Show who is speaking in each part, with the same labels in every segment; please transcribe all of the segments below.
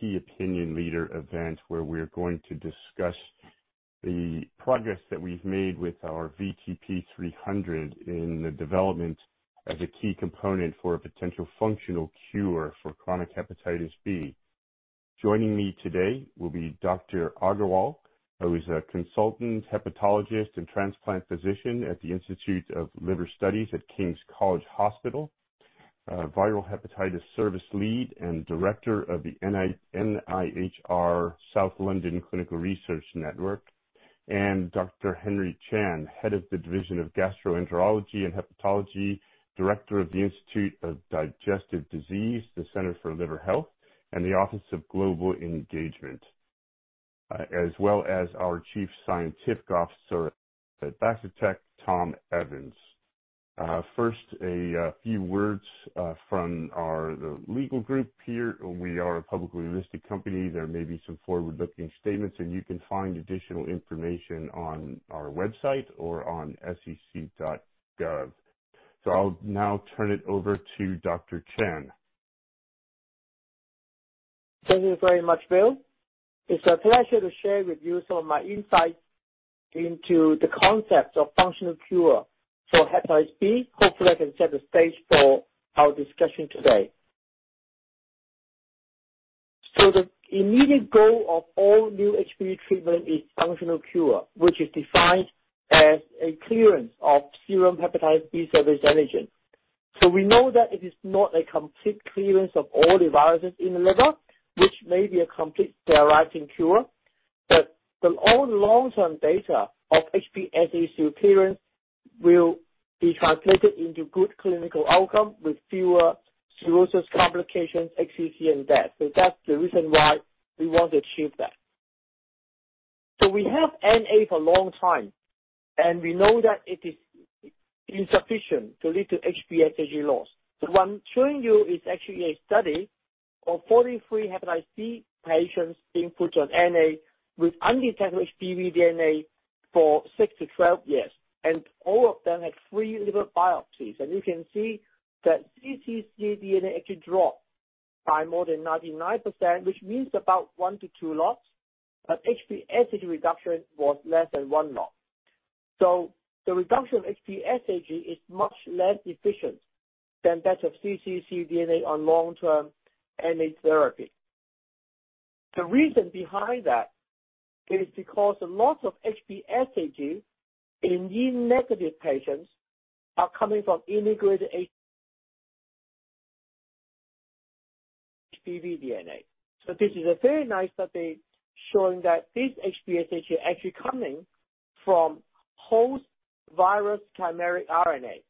Speaker 1: Key opinion leader event where we're going to discuss the progress that we've made with our VTP-300 in the development as a key component for a potential functional cure for chronic hepatitis B. Joining me today will be Dr. Agarwal, who is a Consultant Hepatologist and Transplant Physician at the Institute of Liver Studies at King's College Hospital, Viral Hepatitis Service Lead and Director of the NIHR South London Clinical Research Network. Dr. Henry Chan, Head of the Division of Gastroenterology and Hepatology, Director of the Institute of Digestive Disease, the Center for Liver Health, and the Office of Global Engagement. As well as our Chief Scientific Officer at Vaccitech, Tom Evans. First, few words from our, the legal group here. We are a publicly listed company. There may be some forward-looking statements, and you can find additional information on our website or on sec.gov. I'll now turn it over to Dr. Chan.
Speaker 2: Thank you very much, Bill. It's a pleasure to share with you some of my insights into the concepts of functional cure for hepatitis B. Hopefully, I can set the stage for our discussion today. The immediate goal of all new HBV treatment is functional cure, which is defined as a clearance of serum hepatitis B surface antigen. We know that it is not a complete clearance of all the viruses in the liver, which may be a complete sterilizing cure, but all the long-term data of HBsAg clearance will be translated into good clinical outcome with fewer cirrhosis complications, HCC, and death. That's the reason why we want to achieve that. We have NA for a long time, and we know that it is insufficient to lead to HBsAg loss. What I'm showing you is actually a study of 43 hepatitis B patients being put on NA with undetectable HBV DNA for six to 12 years, and all of them had three liver biopsies. You can see that cccDNA actually dropped by more than 99%, which means about one to two logs, but HBsAg reduction was less than one log. The reduction of HBsAg is much less efficient than that of cccDNA on long-term NA therapy. The reason behind that is because a lot of HBsAg in [HBeAg-negative] patients are coming from integrated HBV DNA. This is a very nice study showing that this HBsAg are actually coming from host-virus chimeric RNA,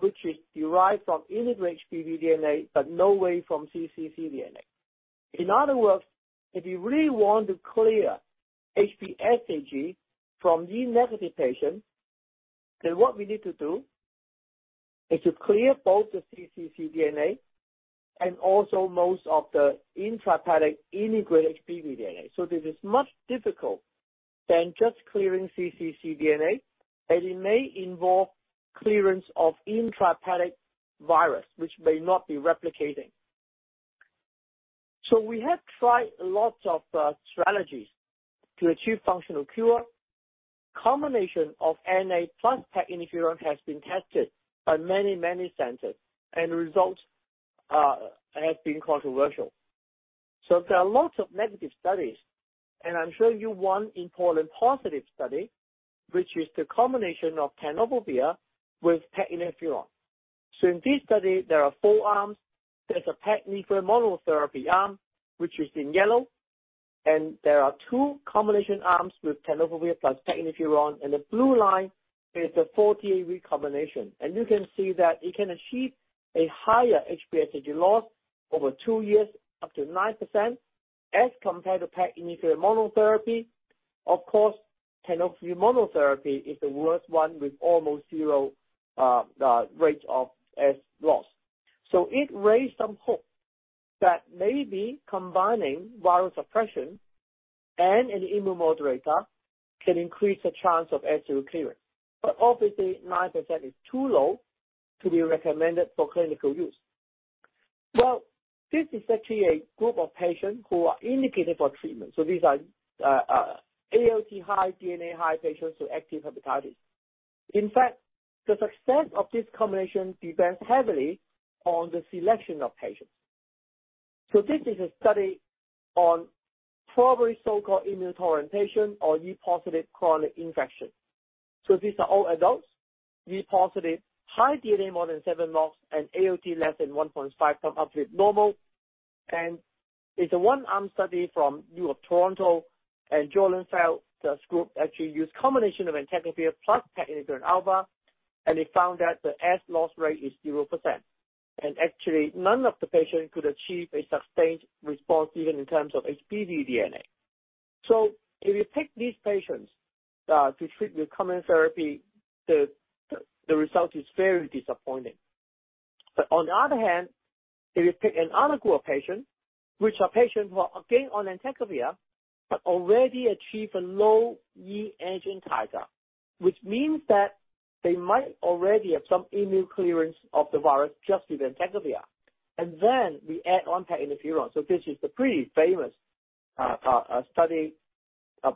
Speaker 2: which is derived from integrated HBV DNA, but not from cccDNA. In other words, if you really want to clear HBsAg from [HBeAg-negative]] patients, then what we need to do is to clear both the cccDNA and also most of the intrahepatic integrated HBV DNA. This is much more difficult than just clearing cccDNA, and it may involve clearance of intrahepatic virus which may not be replicating. We have tried lots of strategies to achieve functional cure. Combination of NA plus peg interferon has been tested by many, many centers and results have been controversial. There are lots of negative studies, and I'm showing you one important positive study, which is the combination of tenofovir with peg interferon. In this study there are four arms. There's a peg interferon monotherapy arm, which is in yellow. There are two combination arms with tenofovir plus peg interferon. The blue line is the 48-week combination. You can see that it can achieve a higher HBsAg loss over two years, up to 9% as compared to peg interferon monotherapy. Of course, tenofovir monotherapy is the worst one with almost zero rate of S loss. It raised some hope that maybe combining viral suppression and an immunomodulator can increase the chance of S0 clearance. Obviously, 9% is too low to be recommended for clinical use. This is actually a group of patients who are indicated for treatment, so these are ALT high, DNA high patients with active hepatitis. In fact, the success of this combination depends heavily on the selection of patients. This is a study on probably so-called immunetolerant patient or E-positive chronic infection. These are all adults, HBe-positive, high HBV DNA more than seven logs and ALT less than 1.5x upper limit normal. It's a one-arm study from U of Toronto and Jordan Feld. The group actually used combination of entecavir plus peg interferon alpha, and they found that the S loss rate is 0%. Actually, none of the patients could achieve a sustained response even in terms of HBV DNA. If you pick these patients to treat with common therapy, the result is very disappointing. On the other hand, if you pick another group of patients, which are patients who are again on entecavir but already achieve a low HBe antigen titer, which means that they might already have some immune clearance of the virus just with entecavir, and then we add on peg interferon. This is a pretty famous study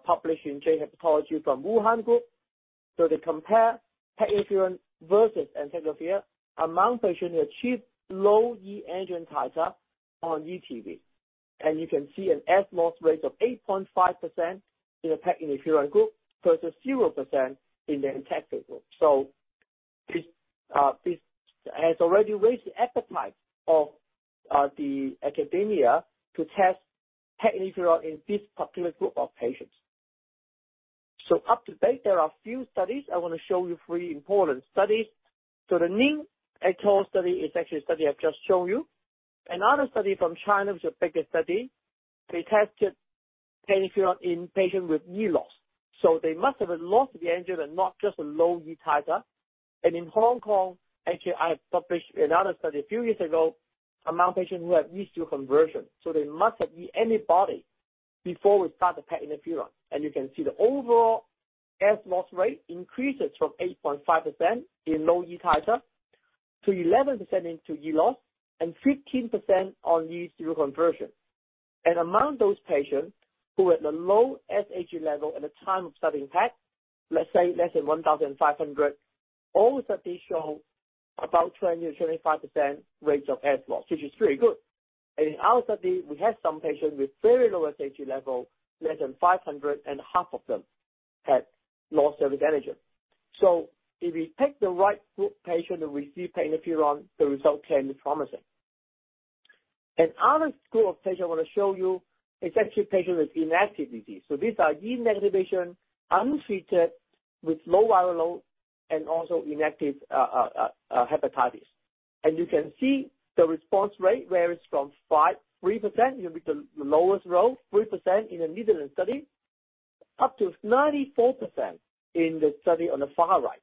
Speaker 2: published in Journal of Hepatology from Wuhan Group. They compare peg interferon versus entecavir among patients who achieve low HBe antigen titer on ETV. You can see an S loss rate of 8.5% in the peg interferon group versus 0% in the entecavir group. This has already raised the appetite of the academia to test peg interferon in this particular group of patients. To date, there are a few studies. I want to show you three important studies. The Ning et al study is actually a study I've just shown you. Another study from China, which is a bigger study, they tested peg interferon in patients with HBe loss. They must have lost the HBe antigen and not just a low HBe titer. In Hong Kong, actually, I have published another study a few years ago among patients who have HBe conversion. They must have E antibody before we start the peg interferon. You can see the overall S loss rate increases from 8.5% in low E titer to 11% into E loss and 15% on HBe conversion. Among those patients who had a low HBe level at the time of starting peg, let's say less than 1,500, all studies show about 20%-25% rates of S loss, which is pretty good. In our study, we had some patients with very low HBe level, less than 500, and half of them had lost their antigen. If we pick the right group patient to receive peg interferon, the result can be promising. Another group of patients I want to show you is actually patients with inactive disease. These are HBe negative patients, untreated with low viral load and also inactive hepatitis. You can see the response rate varies from 3%, the lowest row, 3% in the Netherlands study, up to 94% in the study on the far right.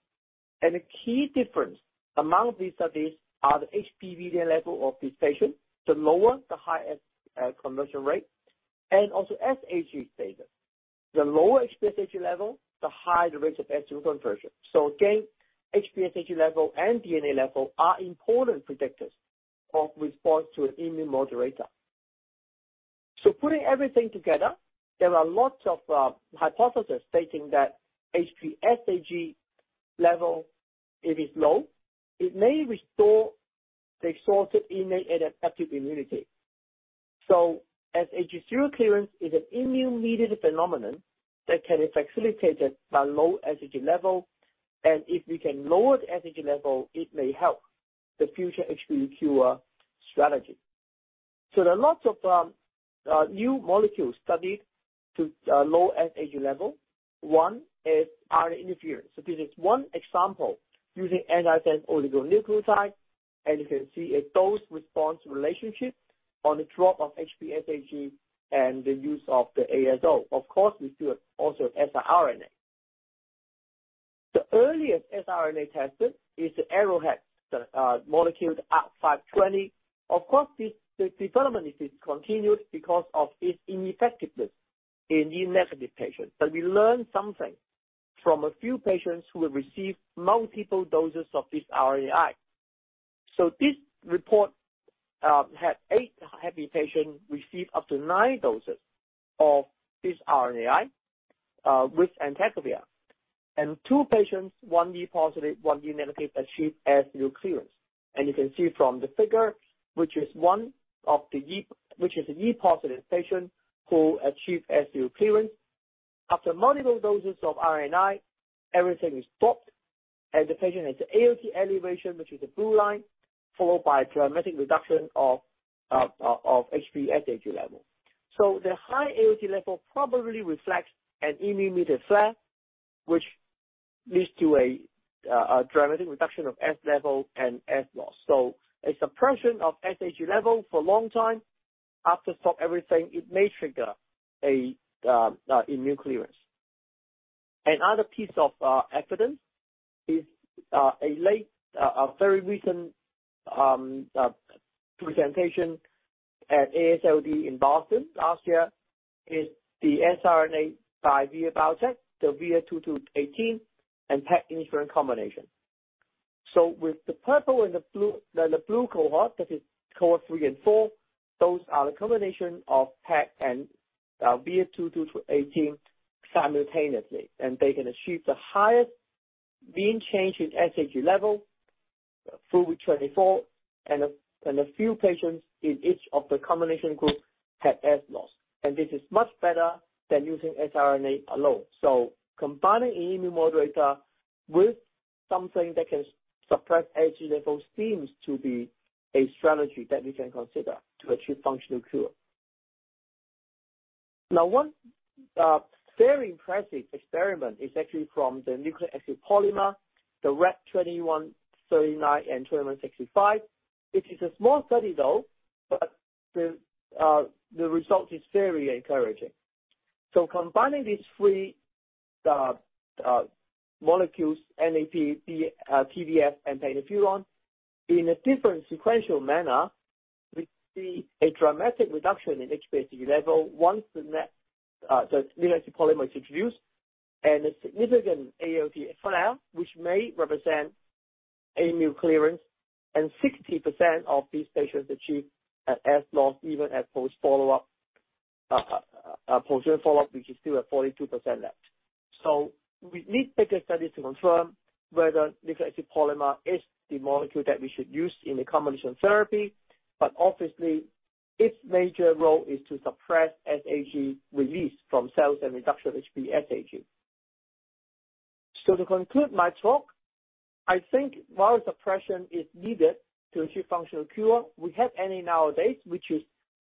Speaker 2: The key difference among these studies are the HBsAg level of these patients, the lower the higher conversion rate, and also [HBsAg] status. The lower HBsAg level, the higher the rate of [HBsAg] conversion. Again, HBsAg level and DNA level are important predictors of response to an immune modulator. Putting everything together, there are lots of hypothesis stating that HBsAg level, if it's low, it may restore the exhausted innate adaptive immunity. As [HBeAg] clearance is an immune-mediated phenomenon that can be facilitated by low HBeAg level, and if we can lower the HBeAg level, it may help the future HBV cure strategy. There are lots of new molecules studied to lower HBeAg level. One is RNA interference. This is one example using antisense oligonucleotide, and you can see a dose-response relationship on the drop of HBsAg and the use of the ASO. Of course, we do also have siRNA. The earliest siRNA tested is the Arrowhead molecule ARC-520. Of course, this development is discontinued because of its ineffectiveness in [HBeAg-negative] patients. We learned something from a few patients who have received multiple doses of this RNAi. This report had eight HBV patients receive up to nine doses of this RNAi with entecavir. Two patients, one E positive, one E negative, achieved HBe clearance. You can see from the figure, which is an E positive patient who achieved HBe clearance. After multiple doses of RNAi, everything is dropped, and the patient has ALT elevation, which is the blue line, followed by dramatic reduction of HBsAg level. The high ALT level probably reflects an immune-mediated flare, which leads to a dramatic reduction of S level and S loss. A suppression of HBe level for a long time after stop everything, it may trigger a immune clearance. Another piece of evidence is a very recent presentation at AASLD in Boston last year, is the siRNA by Vir Biotechnology, the VIR-2218, and peg interferon combination. With the purple and the blue, the blue cohort, that is cohort three and four, those are the combination of peg and VIR-2218 simultaneously. They can achieve the highest mean change in HBe level through week-24, and a few patients in each of the combination group had S loss. This is much better than using siRNA alone. Combining immune modulator with something that can suppress HBe levels seems to be a strategy that we can consider to achieve functional cure. Now, one very impressive experiment is actually from the nucleic acid polymer, the REP-2139 and 2165. It is a small study, though, but the result is very encouraging. Combining these three molecules, NAP, TDF, and peg interferon in a different sequential manner. We see a dramatic reduction in HBsAg level once the nucleic acid polymer is introduced and a significant ALT flare, which may represent immune clearance, and 60% of these patients achieve an S loss even at post-treatment follow-up, which is still at 42% left. We need bigger studies to confirm whether nucleic acid polymer is the molecule that we should use in the combination therapy, but obviously, its major role is to suppress HBsAg release from cells and reduction of HBsAg. To conclude my talk, I think virus suppression is needed to achieve functional cure. We have NA nowadays, which is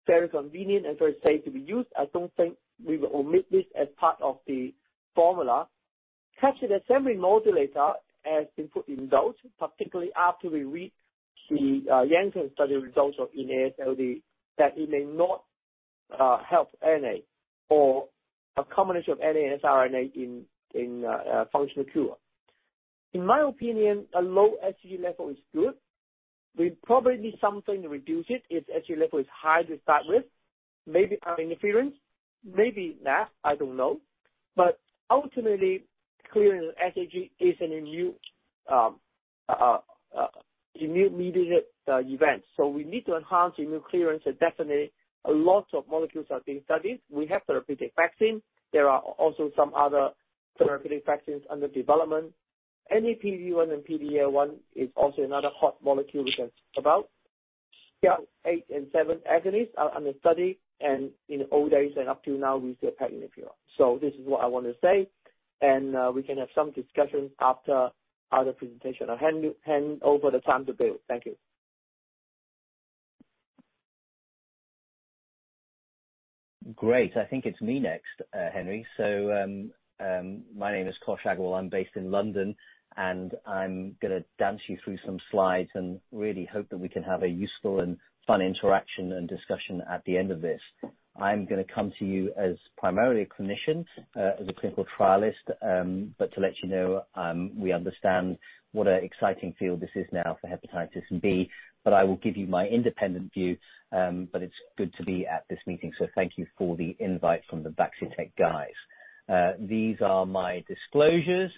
Speaker 2: very convenient and very safe to be used. I don't think we will omit this as part of the formula. Capsid assembly modulator has been put in doubt, particularly after we read the [JADE] study results of NA/siRNA, that it may not help NA or a combination of NA/siRNA in functional cure. In my opinion, a low HBsAg level is good. We probably need something to reduce it if HBsAg level is high to start with, maybe RNA interference, maybe not, I don't know. Ultimately, clearance of HBsAg is an immune-mediated event, so we need to enhance immune clearance, and definitely a lot of molecules are being studied. We have therapeutic vaccine. There are also some other therapeutic vaccines under development. Anti-PD-1 and PD-L1 is also another hot molecule we can talk about. TLR8 and TLR7 agonists are under study, and in the old days and up to now, we still have interferon. This is what I want to say, and we can have some discussions after other presentation. I'll hand over the time to Bill. Thank you.
Speaker 3: Great. I think it's me next, Henry. My name is Kosh Agarwal. I'm based in London, and I'm gonna walk you through some slides and really hope that we can have a useful and fun interaction and discussion at the end of this. I'm gonna come to you as primarily a clinician, as a Clinical Trialist, but to let you know, we understand what an exciting field this is now for hepatitis B, but I will give you my independent view, but it's good to be at this meeting, thank you for the invite from the Vaccitech guys. These are my disclosures,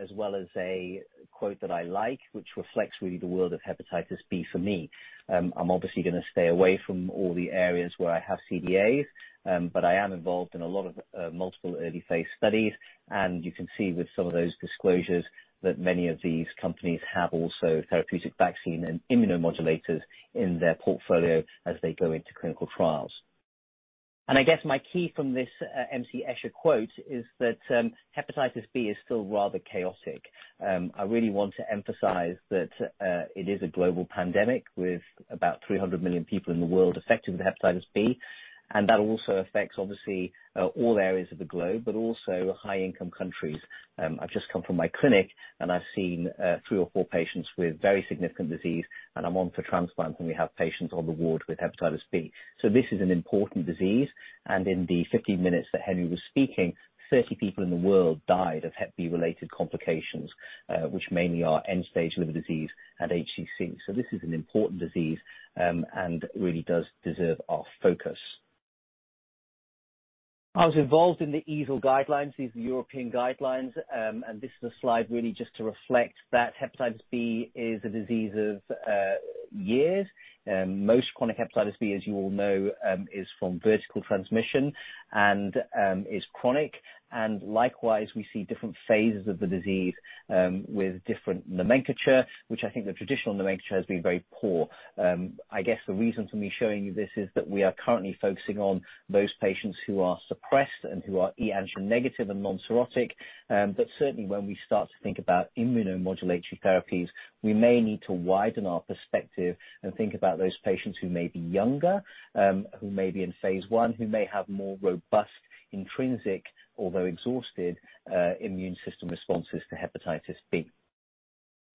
Speaker 3: as well as a quote that I like, which reflects really the world of hepatitis B for me. I'm obviously gonna stay away from all the areas where I have CDAs, but I am involved in a lot of multiple early phase studies, and you can see with some of those disclosures that many of these companies have also therapeutic vaccine and immunomodulators in their portfolio as they go into clinical trials. I guess my key from this M.C. [Escher] quote is that hepatitis B is still rather chaotic. I really want to emphasize that it is a global pandemic with about 300 million people in the world affected with hepatitis B, and that also affects obviously all areas of the globe, but also high-income countries. I've just come from my clinic, and I've seen three or four patients with very significant disease, and I'm on for transplant, and we have patients on the ward with hepatitis B. This is an important disease, and in the 15 minutes that Henry was speaking, 30 people in the world died of hep B-related complications, which mainly are end-stage liver disease and HCC. This is an important disease, and really does deserve our focus. I was involved in the EASL guidelines, these are European guidelines, and this is a slide really just to reflect that hepatitis B is a disease of years. Most chronic hepatitis B, as you all know, is from vertical transmission and is chronic. Likewise, we see different phases of the disease with different nomenclature, which I think the traditional nomenclature has been very poor. I guess the reason for me showing you this is that we are currently focusing on those patients who are suppressed and who are E-antigen negative and non-cirrhotic. Certainly when we start to think about immunomodulatory therapies, we may need to widen our perspective and think about those patients who may be younger, who may be in phase I, who may have more robust, intrinsic, although exhausted, immune system responses to hepatitis B.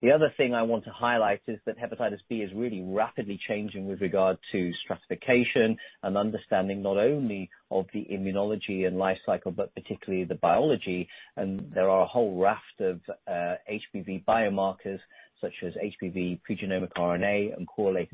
Speaker 3: The other thing I want to highlight is that hepatitis B is really rapidly changing with regard to stratification and understanding not only of the immunology and life cycle, but particularly the biology. There are a whole raft of HBV biomarkers such as HBV pre-genomic RNA and [HBcrAg]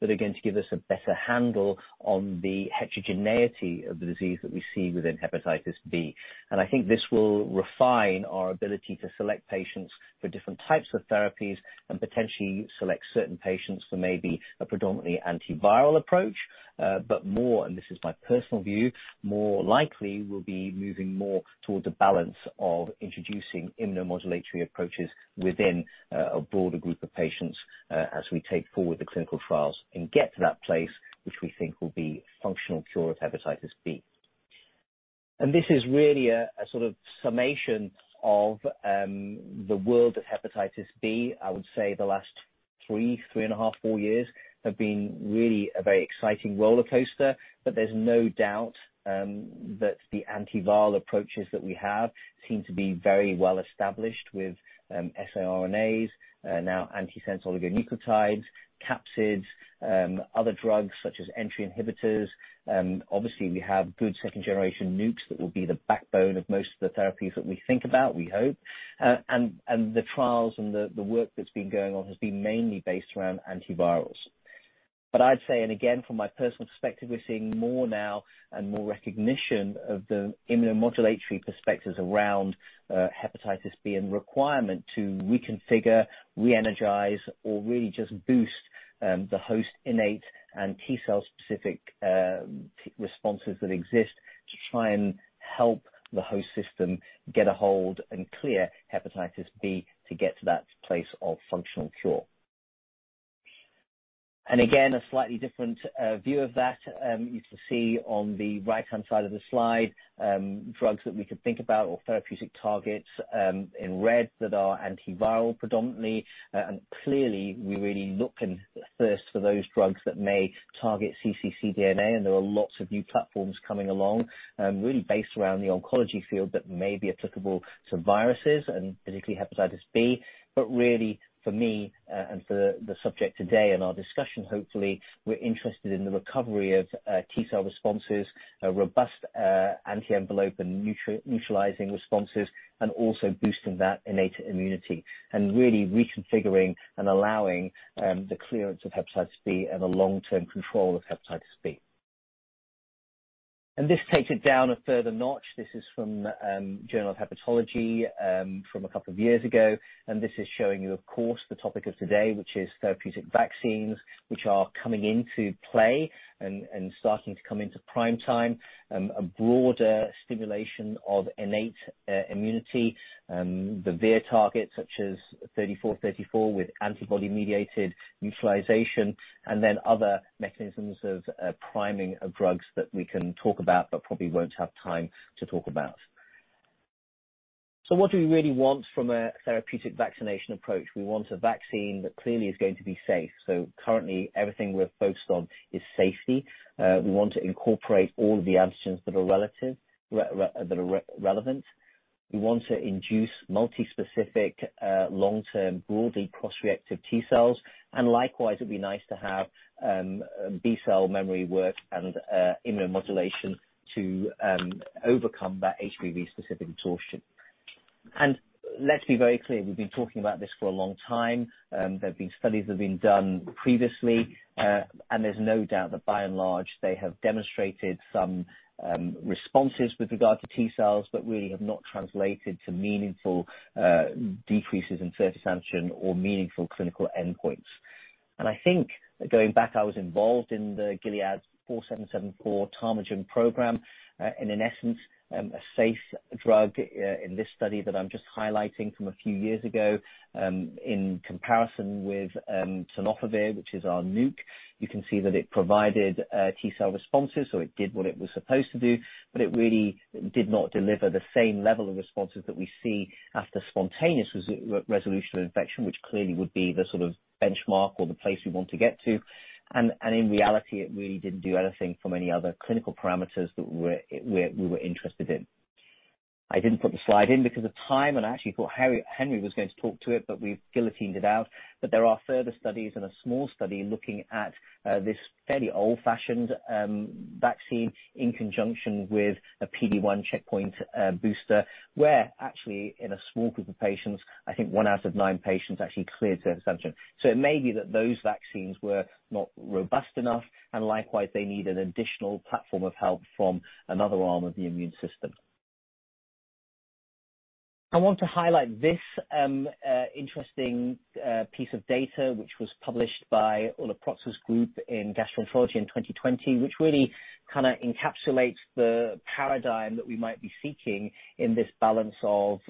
Speaker 3: that are going to give us a better handle on the heterogeneity of the disease that we see within hepatitis B. I think this will refine our ability to select patients for different types of therapies and potentially select certain patients for maybe a predominantly antiviral approach. More, and this is my personal view, more likely we'll be moving more towards a balance of introducing immunomodulatory approaches within a broader group of patients as we take forward the clinical trials and get to that place which we think will be functional cure of hepatitis B. This is really a sort of summation of the world of hepatitis B. I would say the last three, 3.5, four years have been really a very exciting roller coaster. There's no doubt that the antiviral approaches that we have seem to be very well established with siRNAs now antisense oligonucleotides, capsids, other drugs such as entry inhibitors. Obviously we have good second generation NUCs that will be the backbone of most of the therapies that we think about, we hope. The trials and the work that's been going on has been mainly based around antivirals. I'd say, and again, from my personal perspective, we're seeing more and more recognition of the immunomodulatory perspectives around hepatitis B and requirement to reconfigure, re-energize, or really just boost the host innate and T-cell specific T-responses that exist to try and help the host system get a hold and clear hepatitis B to get to that place of functional cure. Again, a slightly different view of that you can see on the right-hand side of the slide, drugs that we could think about or therapeutic targets in red that are antiviral predominantly. Clearly we really look and thirst for those drugs that may target cccDNA, and there are lots of new platforms coming along, really based around the oncology field that may be applicable to viruses and particularly hepatitis B. Really for me, and for the subject today and our discussion, hopefully, we're interested in the recovery of T-cell responses, a robust anti-envelope and neutralizing responses, and also boosting that innate immunity, and really reconfiguring and allowing the clearance of hepatitis B and a long-term control of hepatitis B. This takes it down a further notch. This is from Journal of Hepatology, from a couple of years ago, and this is showing you, of course, the topic of today, which is therapeutic vaccines, which are coming into play and starting to come into prime time. A broader stimulation of innate immunity. The VIR-3434 with antibody-mediated neutralization, and then other mechanisms of priming of drugs that we can talk about but probably won't have time to talk about. What do we really want from a therapeutic vaccination approach? We want a vaccine that clearly is going to be safe. Currently everything we're focused on is safety. We want to incorporate all of the antigens that are relevant. We want to induce multi-specific, long-term, broadly cross-reactive T-cells. Likewise, it'd be nice to have B-cell memory work and immunomodulation to overcome that HBV-specific tolerance. Let's be very clear, we've been talking about this for a long time. There've been studies that've been done previously, and there's no doubt that by and large they have demonstrated some responses with regard to T-cells, but really have not translated to meaningful decreases in surface antigen or meaningful clinical endpoints. I think going back, I was involved in the Gilead's 4774 Tarmogen program, and in essence, a safe drug, in this study that I'm just highlighting from a few years ago, in comparison with tenofovir, which is our nuke, you can see that it provided T-cell responses, so it did what it was supposed to do, but it really did not deliver the same level of responses that we see after spontaneous resolution of infection, which clearly would be the sort of benchmark or the place we want to get to. In reality, it really didn't do anything from any other clinical parameters that we were interested in. I didn't put the slide in because of time, and I actually thought Henry was going to talk to it, but we've guillotined it out. There are further studies and a small study looking at this fairly old-fashioned vaccine in conjunction with a PD-1 checkpoint booster, where actually in a small group of patients, I think one out of nine patients actually cleared surface antigen. It may be that those vaccines were not robust enough, and likewise, they need an additional platform of help from another arm of the immune system. I want to highlight this, interesting, piece of data which was published by Ulrike Protzer's group in gastroenterology in 2020, which really kinda encapsulates the paradigm that we might be seeking in this balance of,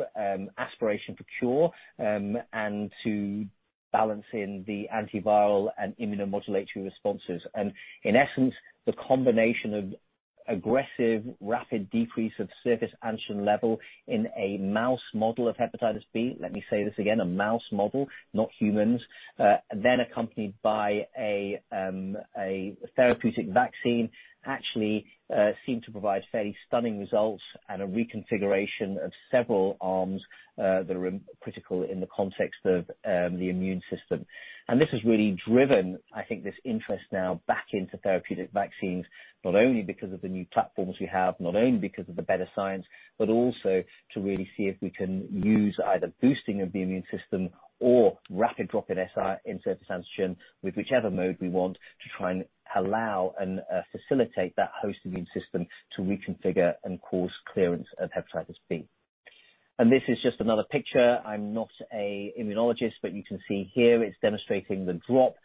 Speaker 3: aspiration for cure, and the balance in the antiviral and immunomodulatory responses. In essence, the combination of aggressive rapid decrease of surface antigen level in a mouse model of hepatitis B. Let me say this again, a mouse model, not humans, then accompanied by a therapeutic vaccine, actually, seemed to provide fairly stunning results and a reconfiguration of several arms, that are critical in the context of the immune system. This has really driven, I think, this interest now back into therapeutic vaccines, not only because of the new platforms we have, not only because of the better science, but also to really see if we can use either boosting of the immune system or rapid drop in [HBsAg] surface antigen with whichever mode we want to try and allow and facilitate that host immune system to reconfigure and cause clearance of hepatitis B. This is just another picture. I'm not an immunologist, but you can see here it's demonstrating the drop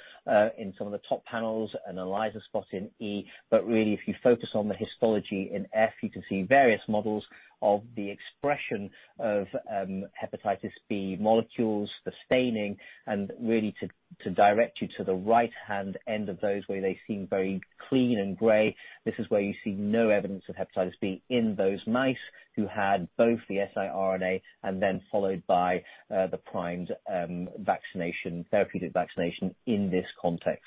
Speaker 3: in some of the top panels, an [ELISpot] in E. Really if you focus on the histology in [F], you can see various models of the expression of hepatitis B molecules, the staining, and really to direct you to the right-hand end of those where they seem very clean and gray. This is where you see no evidence of hepatitis B in those mice who had both the siRNAs and then followed by the primed vaccination, therapeutic vaccination in this context.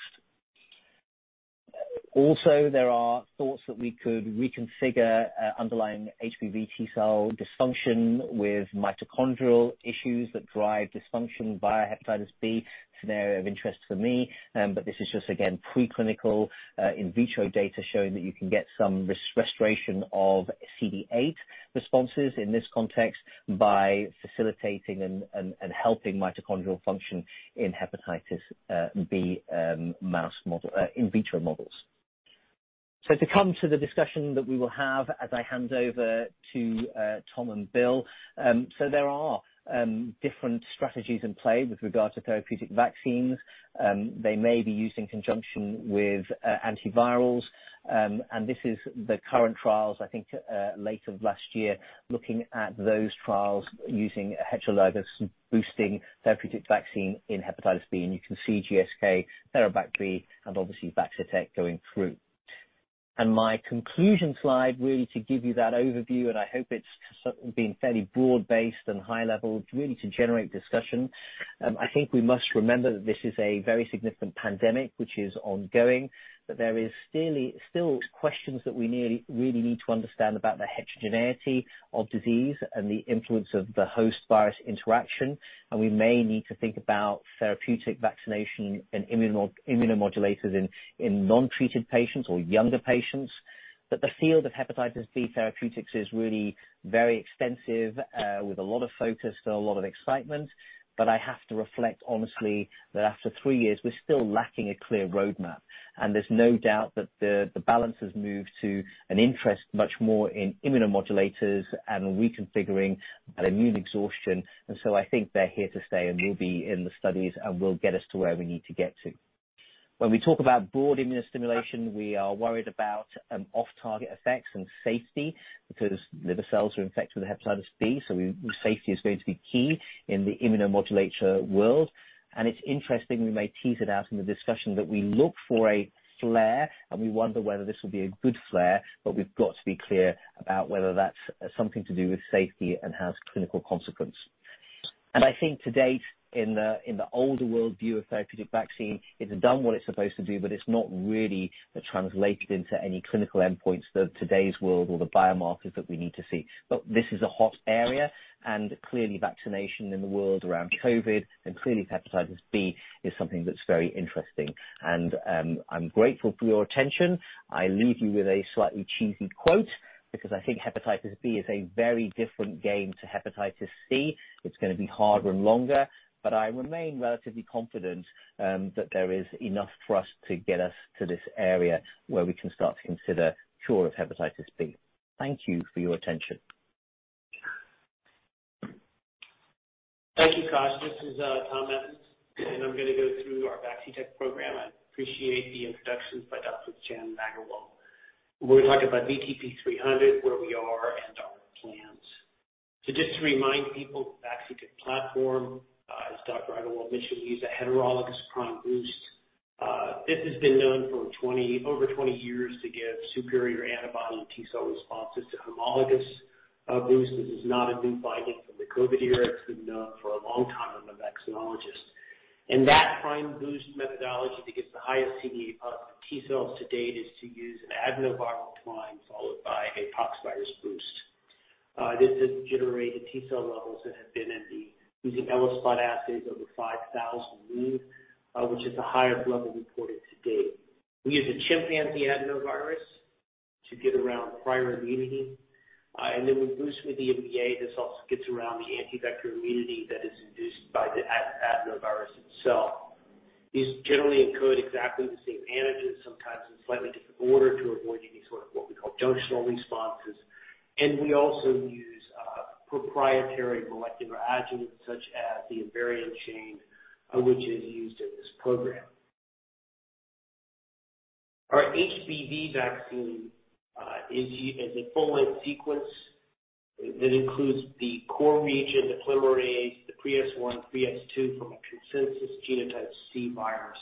Speaker 3: Also, there are thoughts that we could reconfigure underlying HBV T-cell dysfunction with mitochondrial issues that drive dysfunction via hepatitis B. It's an area of interest for me, but this is just again, preclinical, in vitro data showing that you can get some restoration of CD8 responses in this context by facilitating and helping mitochondrial function in hepatitis B mouse model in vitro models. To come to the discussion that we will have as I hand over to Tom and Bill. There are different strategies in play with regard to therapeutic vaccines. They may be used in conjunction with antivirals. This is the current trials, I think, late last year, looking at those trials using a heterologous boosting therapeutic vaccine in hepatitis B. You can see GSK, TherVacB, and obviously Vaccitech going through. My conclusion slide, really to give you that overview, and I hope it's been fairly broad-based and high level, really to generate discussion. I think we must remember that this is a very significant pandemic which is ongoing, but there is still questions that we really need to understand about the heterogeneity of disease and the influence of the host virus interaction. We may need to think about therapeutic vaccination and immunomodulators in non-treated patients or younger patients. The field of hepatitis B therapeutics is really very extensive, with a lot of focus and a lot of excitement. I have to reflect honestly that after three years, we're still lacking a clear roadmap. There's no doubt that the balance has moved to an interest much more in immunomodulators and reconfiguring an immune exhaustion. I think they're here to stay, and will be in the studies and will get us to where we need to get to. When we talk about broad immunostimulation, we are worried about off-target effects and safety because liver cells are infected with hepatitis B, so safety is going to be key in the immunomodulator world. It's interesting, we may tease it out in the discussion, but we look for a flare, and we wonder whether this will be a good flare, but we've got to be clear about whether that's something to do with safety and has clinical consequence. I think to date, in the older world view of therapeutic vaccine, it's done what it's supposed to do, but it's not really translated into any clinical endpoints for today's world or the biomarkers that we need to see. This is a hot area and clearly vaccination in the world around COVID and clearly hepatitis B is something that's very interesting. I'm grateful for your attention. I leave you with a slightly cheesy quote because I think hepatitis B is a very different game to hepatitis C. It's gonna be harder and longer, but I remain relatively confident that there is enough for us to get us to this area where we can start to consider cure of hepatitis B. Thank you for your attention.
Speaker 4: Thank you, Kosh. This is Tom Evans, and I'm gonna go through our Vaccitech program. I appreciate the introductions by Doctors Chan and Agarwal. We're gonna talk about VTP-300, where we are and our plans. Just to remind people, the Vaccitech platform, as Dr. Agarwal mentioned, we use a heterologous prime boost. This has been known for over 20 years to give superior antibody and T-cell responses to homologous boosts. This is not a new finding from the COVID era. It's been known for a long time among vaccinologists. That prime boost methodology to get the highest CD8+ T-cells to date is to use an adenoviral prime followed by a poxvirus boost. This has generated T-cell levels that have been in the, using ELISpot assays, over 5,000 units, which is the highest level reported to date. We use a chimpanzee adenovirus to get around prior immunity, and then we boost with the MVA. This also gets around the anti-vector immunity that is induced by the adenovirus itself. These generally encode exactly the same antigens, sometimes in slightly different order, to avoid any sort of what we call junctional responses. We also use proprietary molecular adjuvants such as the invariant chain, which is used in this program. Our HBV vaccine is a full length sequence that includes the core region, the polymerase, the PreS1, PreS2 from a consensus genotype C virus.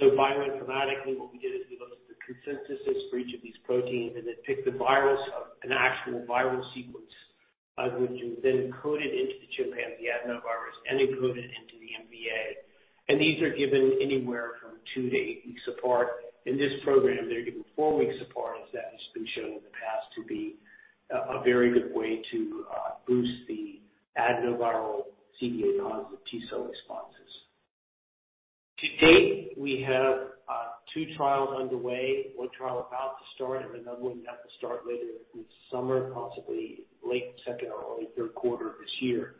Speaker 4: Bioinformatically, what we did is we looked at the consensuses for each of these proteins and then picked the virus of an actual viral sequence, which was then encoded into the chimpanzee adenovirus and encoded into the MVA. These are given anywhere from two to eight weeks apart. In this program, they're given four weeks apart, as that has been shown in the past to be a very good way to boost the adenoviral CD8+ T-cell responses. To date, we have two trials underway, one trial about to start, and another one about to start later this summer, possibly late second or early third quarter of this year.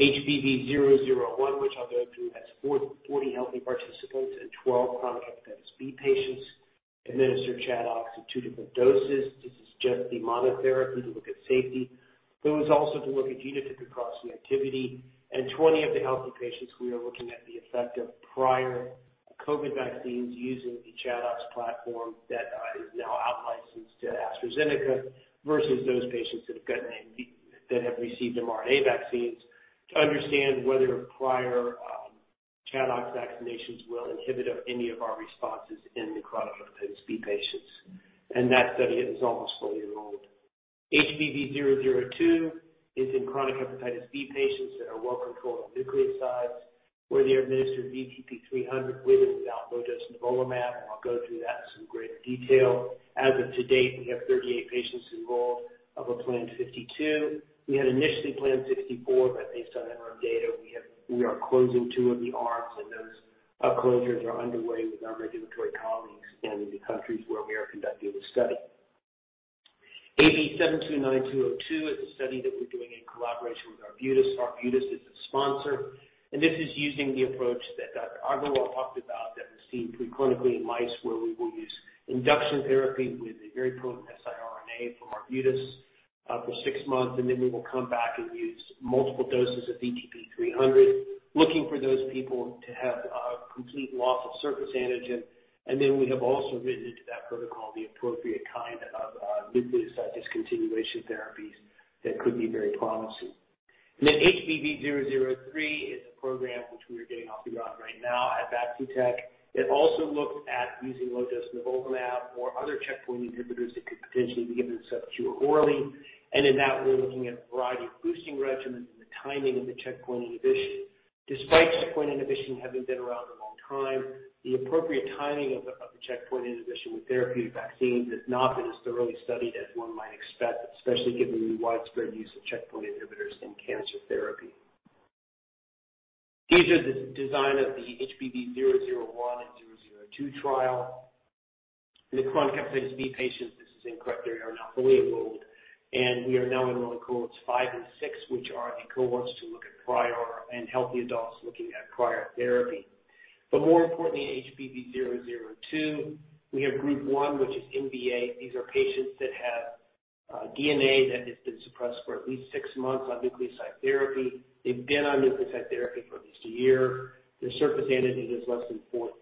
Speaker 4: HBV001, which I'll go through, has 40 healthy participants and 12 chronic hepatitis B patients administered ChAdOx at two different doses. This is just the monotherapy to look at safety. It was also to look at genotypic cross-reactivity. And 20 of the healthy patients, we are looking at the effect of prior COVID vaccines using the ChAdOx platform that is now out licensed to AstraZeneca versus those patients that have received mRNA vaccines to understand whether prior ChAdOx vaccinations will inhibit any of our responses in the chronic hepatitis B patients. That study is almost fully enrolled. HBV002 is in chronic hepatitis B patients that are well controlled on nucleosides, where they're administered VTP-300 with and without low-dose nivolumab, and I'll go through that in some greater detail. As of today, we have 38 patients enrolled of a planned 52. We had initially planned 64, but based on MRM data, we are closing two of the arms, and those closures are underway with our regulatory colleagues and in the countries where we are conducting the study. AB-729-202 is a study that we're doing in collaboration with Arbutus. Arbutus is the sponsor, and this is using the approach that Dr. Agarwal talked about that was seen pre-clinically in mice, where we will use induction therapy with a very potent siRNA from Arbutus for six months, and then we will come back and use multiple doses of VTP-300, looking for those people to have complete loss of surface antigen. We have also written into that protocol the appropriate kind of nucleoside discontinuation therapies that could be very promising. Then HBV003 is a program which we are getting off the ground right now at Vaccitech. It also looks at using low-dose nivolumab or other checkpoint inhibitors that could potentially be given subcut or orally. In that we're looking at a variety of boosting regimens and the timing of the checkpoint inhibition. Despite checkpoint inhibition having been around a long time, the appropriate timing of the checkpoint inhibition with therapy vaccines has not been as thoroughly studied as one might expect, especially given the widespread use of checkpoint inhibitors in cancer therapy. These are the design of the HBV001 and HBV002 trial. In the chronic hepatitis B patients, these cohorts are now fully enrolled, and we are now enrolling cohorts five and six, which are the cohorts to look at prior and healthy adults looking at prior therapy. More importantly, in HBV002 we have group one, which is MVA. These are patients that have DNA that has been suppressed for at least six months on nucleoside therapy. They've been on nucleoside therapy for at least a year. Their surface antigen is less than 4000.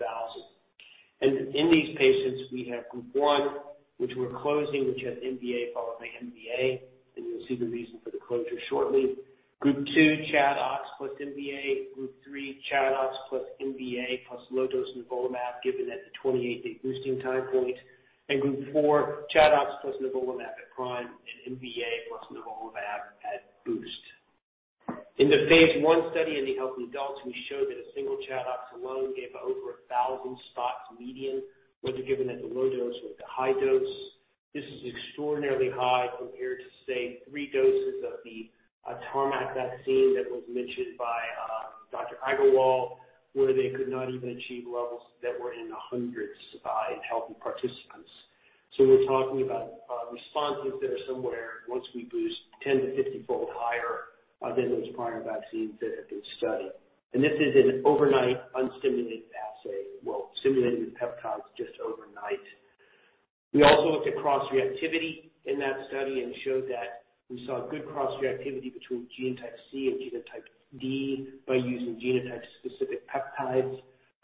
Speaker 4: In these patients we have group one, which we're closing, which has MVA followed by MVA, and you'll see the reason for the closure shortly. Group two, ChAdOx plus MVA. Group three, ChAdOx plus MVA plus low-dose nivolumab, given at the 28-day boosting time point. Group four, ChAdOx plus nivolumab at prime and MVA plus nivolumab at boost. In the phase I study in the healthy adults, we showed that a single ChAdOx alone gave over 1,000 spots median, whether given at the low dose or at the high dose. This is extraordinarily high compared to, say, three doses of the Tarmogen vaccine that was mentioned by Dr. Agarwal, where they could not even achieve levels that were in the hundreds in healthy participants. We're talking about responses that are somewhere, once we boost 10 to 50-fold higher, than those prior vaccines that have been studied. This is an overnight unstimulated assay. Well, stimulated with peptides just overnight. We also looked at cross-reactivity in that study and showed that we saw good cross-reactivity between genotype C and genotype D by using genotype-specific peptides.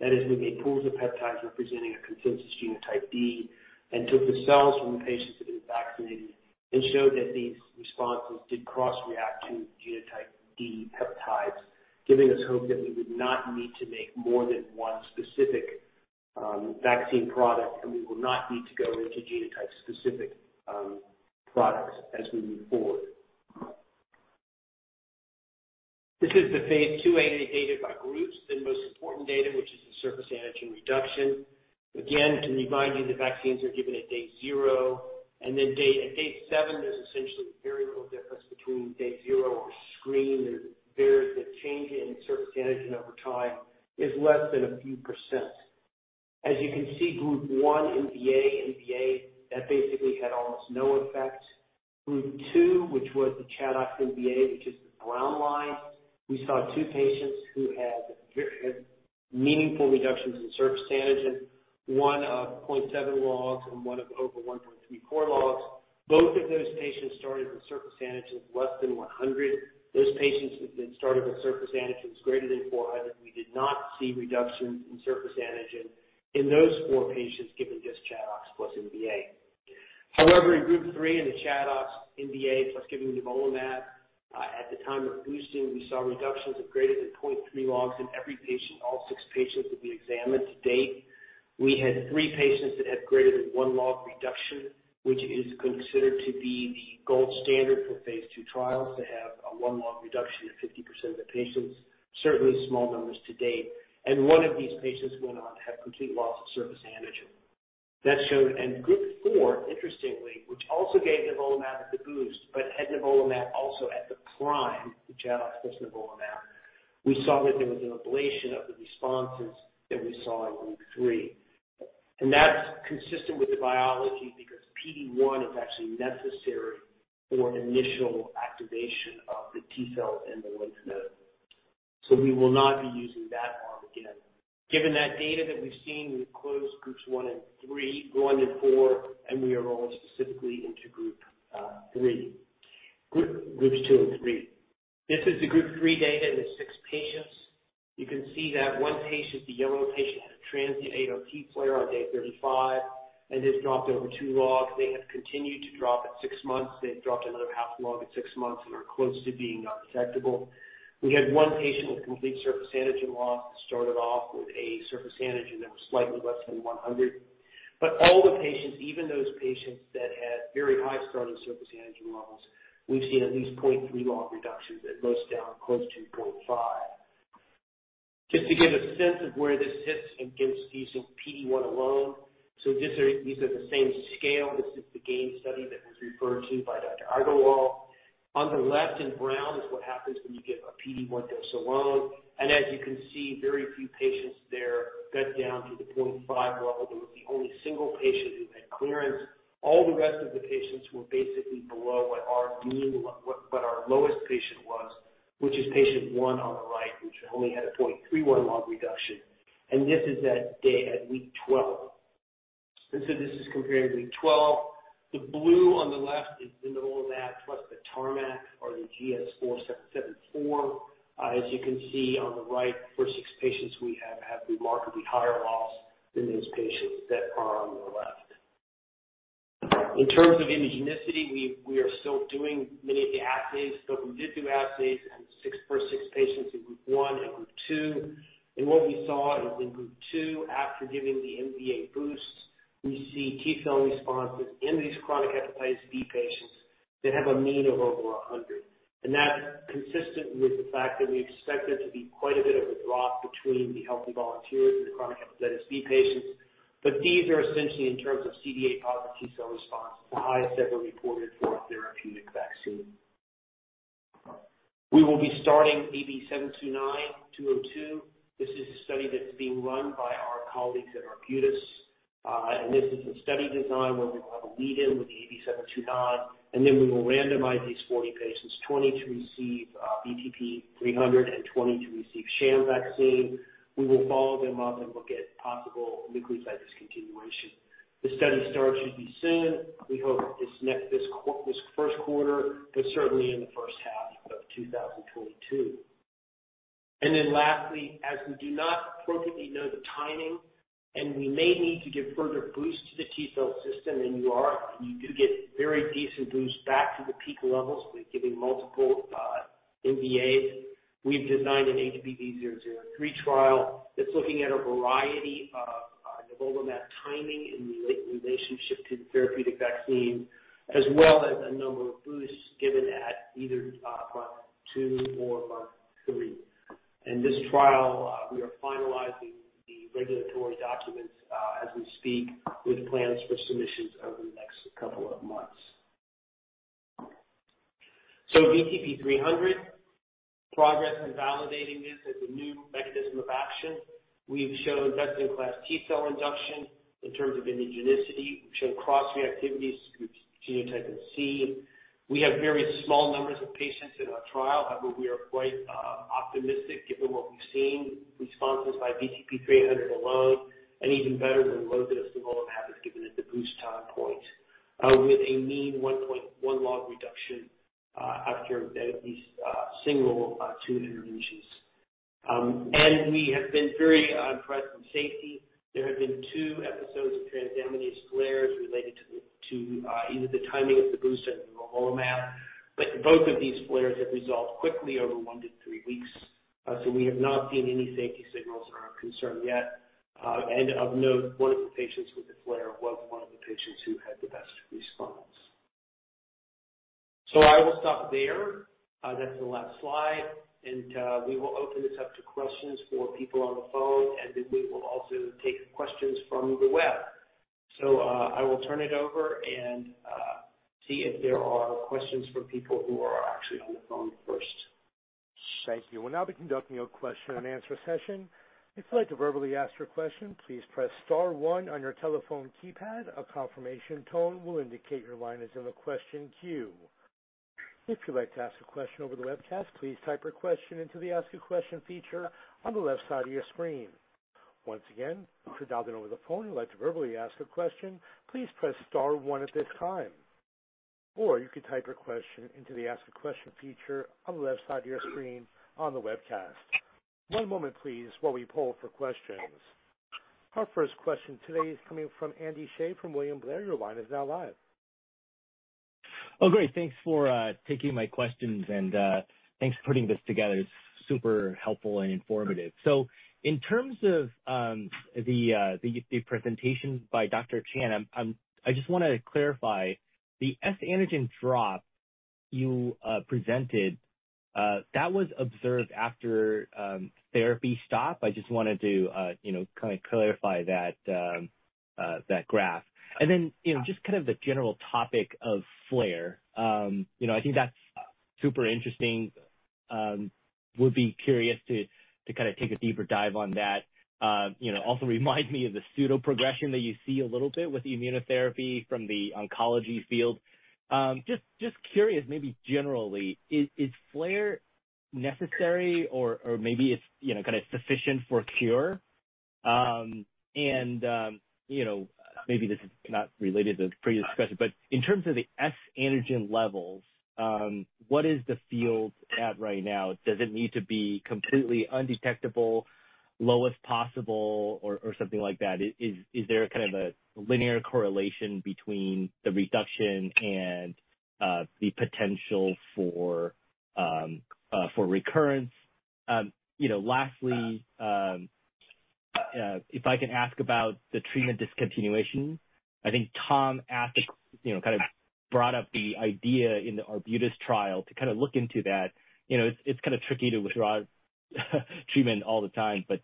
Speaker 4: That is, we made pools of peptides representing a consensus genotype D and took the cells from the patients that had been vaccinated and showed that these responses did cross-react to genotype D peptides, giving us hope that we would not need to make more than one specific vaccine product and we will not need to go into genotype-specific products as we move forward. This is the phase II-A data by groups, the most important data, which is the surface antigen reduction. Again, to remind you, the vaccines are given at day zero. Then, at day seven, there's essentially very little difference between day zero or screen. The change in surface antigen over time is less than a few percent. As you can see, group one, MVA, that basically had almost no effect. Group two, which was the ChAdOx MVA, which is the brown line, we saw two patients who had meaningful reductions in surface antigen, one of 0.7 logs and one of over 1.34 logs. Both of those patients started with surface antigen of less than 100. Those patients that started with surface antigen greater than 400, we did not see reductions in surface antigen in those four patients given just ChAdOx plus MVA. However, in group three, in the ChAdOx MVA, plus giving nivolumab at the time of boosting, we saw reductions of greater than 0.3 logs in every patient, all six patients that we examined to date. We had three patients that had greater than one log reduction, which is considered to be the gold standard for phase II trials, to have a one log reduction in 50% of the patients. Certainly small numbers to date. One of these patients went on to have complete loss of surface antigen. Group four, interestingly, which also gave nivolumab at the boost, but had nivolumab also at the prime, the ChAdOx plus nivolumab, we saw that there was an ablation of the responses that we saw in group three. That's consistent with the biology because PD-1 is actually necessary for initial activation of the T-cells in the lymph node. We will not be using that arm again. Given that data that we've seen, we've closed groups one and three, one and four, and we are enrolling specifically into group three. Groups two and three. This is the group three data in the six patients. You can see that one patient, the yellow patient, had a transient ALT flare on day 35 and has dropped over two logs. They have continued to drop at six months. They've dropped another half log at six months and are close to being non-detectable. We had one patient with complete surface antigen loss that started off with a surface antigen that was slightly less than 100. But all the patients, even those patients that had very high starting surface antigen levels, we've seen at least 0.3 log reductions, at most down close to 0.5. Just to give a sense of where this hits against these PD-1 alone. These are the same scale. This is the GAIN study that was referred to by Dr. Agarwal. On the left in brown is what happens when you give a PD-1 dose alone. As you can see, very few patients there got down to the 0.5 level. There was the only single patient who had clearance. All the rest of the patients were basically below what our lowest patient was, which is patient one on the right, which only had a 0.31 log reduction. This is that day at week 12. This is comparing week 12. The blue on the left is nivolumab plus the Tarmogen or the GS-4774. As you can see on the right, for six patients we have had remarkably higher loss than those patients that are on the left. In terms of immunogenicity, we are still doing many of the assays. We did do assays and six per six patients in group one and group two. What we saw is in group two, after giving the MVA boost, we see T-cell responses in these chronic hepatitis B patients that have a mean of over 100. That's consistent with the fact that we expect there to be quite a bit of a drop between the healthy volunteers and the chronic hepatitis B patients. These are essentially in terms of ICS positive T-cell response, the highest ever reported for a therapeutic vaccine. We will be starting AB-729-202. This is a study that's being run by our colleagues at Arbutus. This is a study design where we will have a lead in with the AB-729, and then we will randomize these 40 patients, 20 to receive VTP-300 and 20 to receive [sham] vaccine. We will follow them up and look at possible nucleoside discontinuation. The study start should be soon. We hope it's this first quarter, but certainly in the first half of 2022. Then lastly, as we do not appropriately know the timing, and we may need to give further boosts to the T-cell system than you are. You do get very decent boost back to the peak levels with giving multiple MVAs. We've designed an HBV003 trial that's looking at a variety of nivolumab timing in the relationship to the therapeutic vaccine, as well as a number of boosts given at either month two or month three. In this trial, we are finalizing the regulatory documents as we speak with plans for submissions over the next couple of months. VTP-300 progress in validating this as a new mechanism of action. We've shown best-in-class T-cell induction in terms of immunogenicity. We've shown cross-reactivities to genotype C. We have very small numbers of patients in our trial. However, we are quite optimistic given what we've seen responses by VTP-300 alone and even better when loaded with nivolumab is given at the boost time point with a mean 1.1 log reduction after these single two interventions. We have been very impressed with safety. There have been two episodes of transaminase flares related to either the timing of the boost or nivolumab. Both of these flares have resolved quickly over one to three weeks. We have not seen any safety signals that are of concern yet. Of note, one of the patients with the flare was one of the patients who had the best response. I will stop there. That's the last slide. We will open this up to questions for people on the phone, and then we will also take questions from the web. I will turn it over and see if there are questions from people who are actually on the phone first.
Speaker 5: Thank you. We'll now be conducting a question-and-answer session. If you'd like to verbally ask your question, please press star one on your telephone keypad. A confirmation tone will indicate your line is in the question queue. If you'd like to ask a question over the webcast, please type your question into the Ask a Question feature on the left side of your screen. Once again, if you're dialing in over the phone and you'd like to verbally ask a question, please press star one at this time. Or you can type your question into the Ask a Question feature on the left side of your screen on the webcast. One moment please while we poll for questions. Our first question today is coming from Andy Hsieh from William Blair. Your line is now live.
Speaker 6: Oh, great. Thanks for taking my questions and thanks for putting this together. It's super helpful and informative. In terms of the presentation by Dr. Chan, I just wanted to clarify the S antigen drop you presented that was observed after therapy stopped. I just wanted to, you know, kind of clarify that graph. And then, you know, just kind of the general topic of flare. You know, I think that's super interesting. Would be curious to kind of take a deeper dive on that. You know, also remind me of the pseudoprogression that you see a little bit with immunotherapy from the oncology field. Just curious, maybe generally, is flare necessary or maybe it's, you know, kind of sufficient for a functional cure? You know, maybe this is not related to the previous discussion, but in terms of the S antigen levels, what is the field at right now? Does it need to be completely undetectable, low as possible or something like that? Is there kind of a linear correlation between the reduction and the potential for recurrence? You know, lastly, If I can ask about the treatment discontinuation, I think Tom asked, you know, kind of brought up the idea in the Arbutus trial to kind of look into that. You know, it's kind of tricky to withdraw treatment all the time, but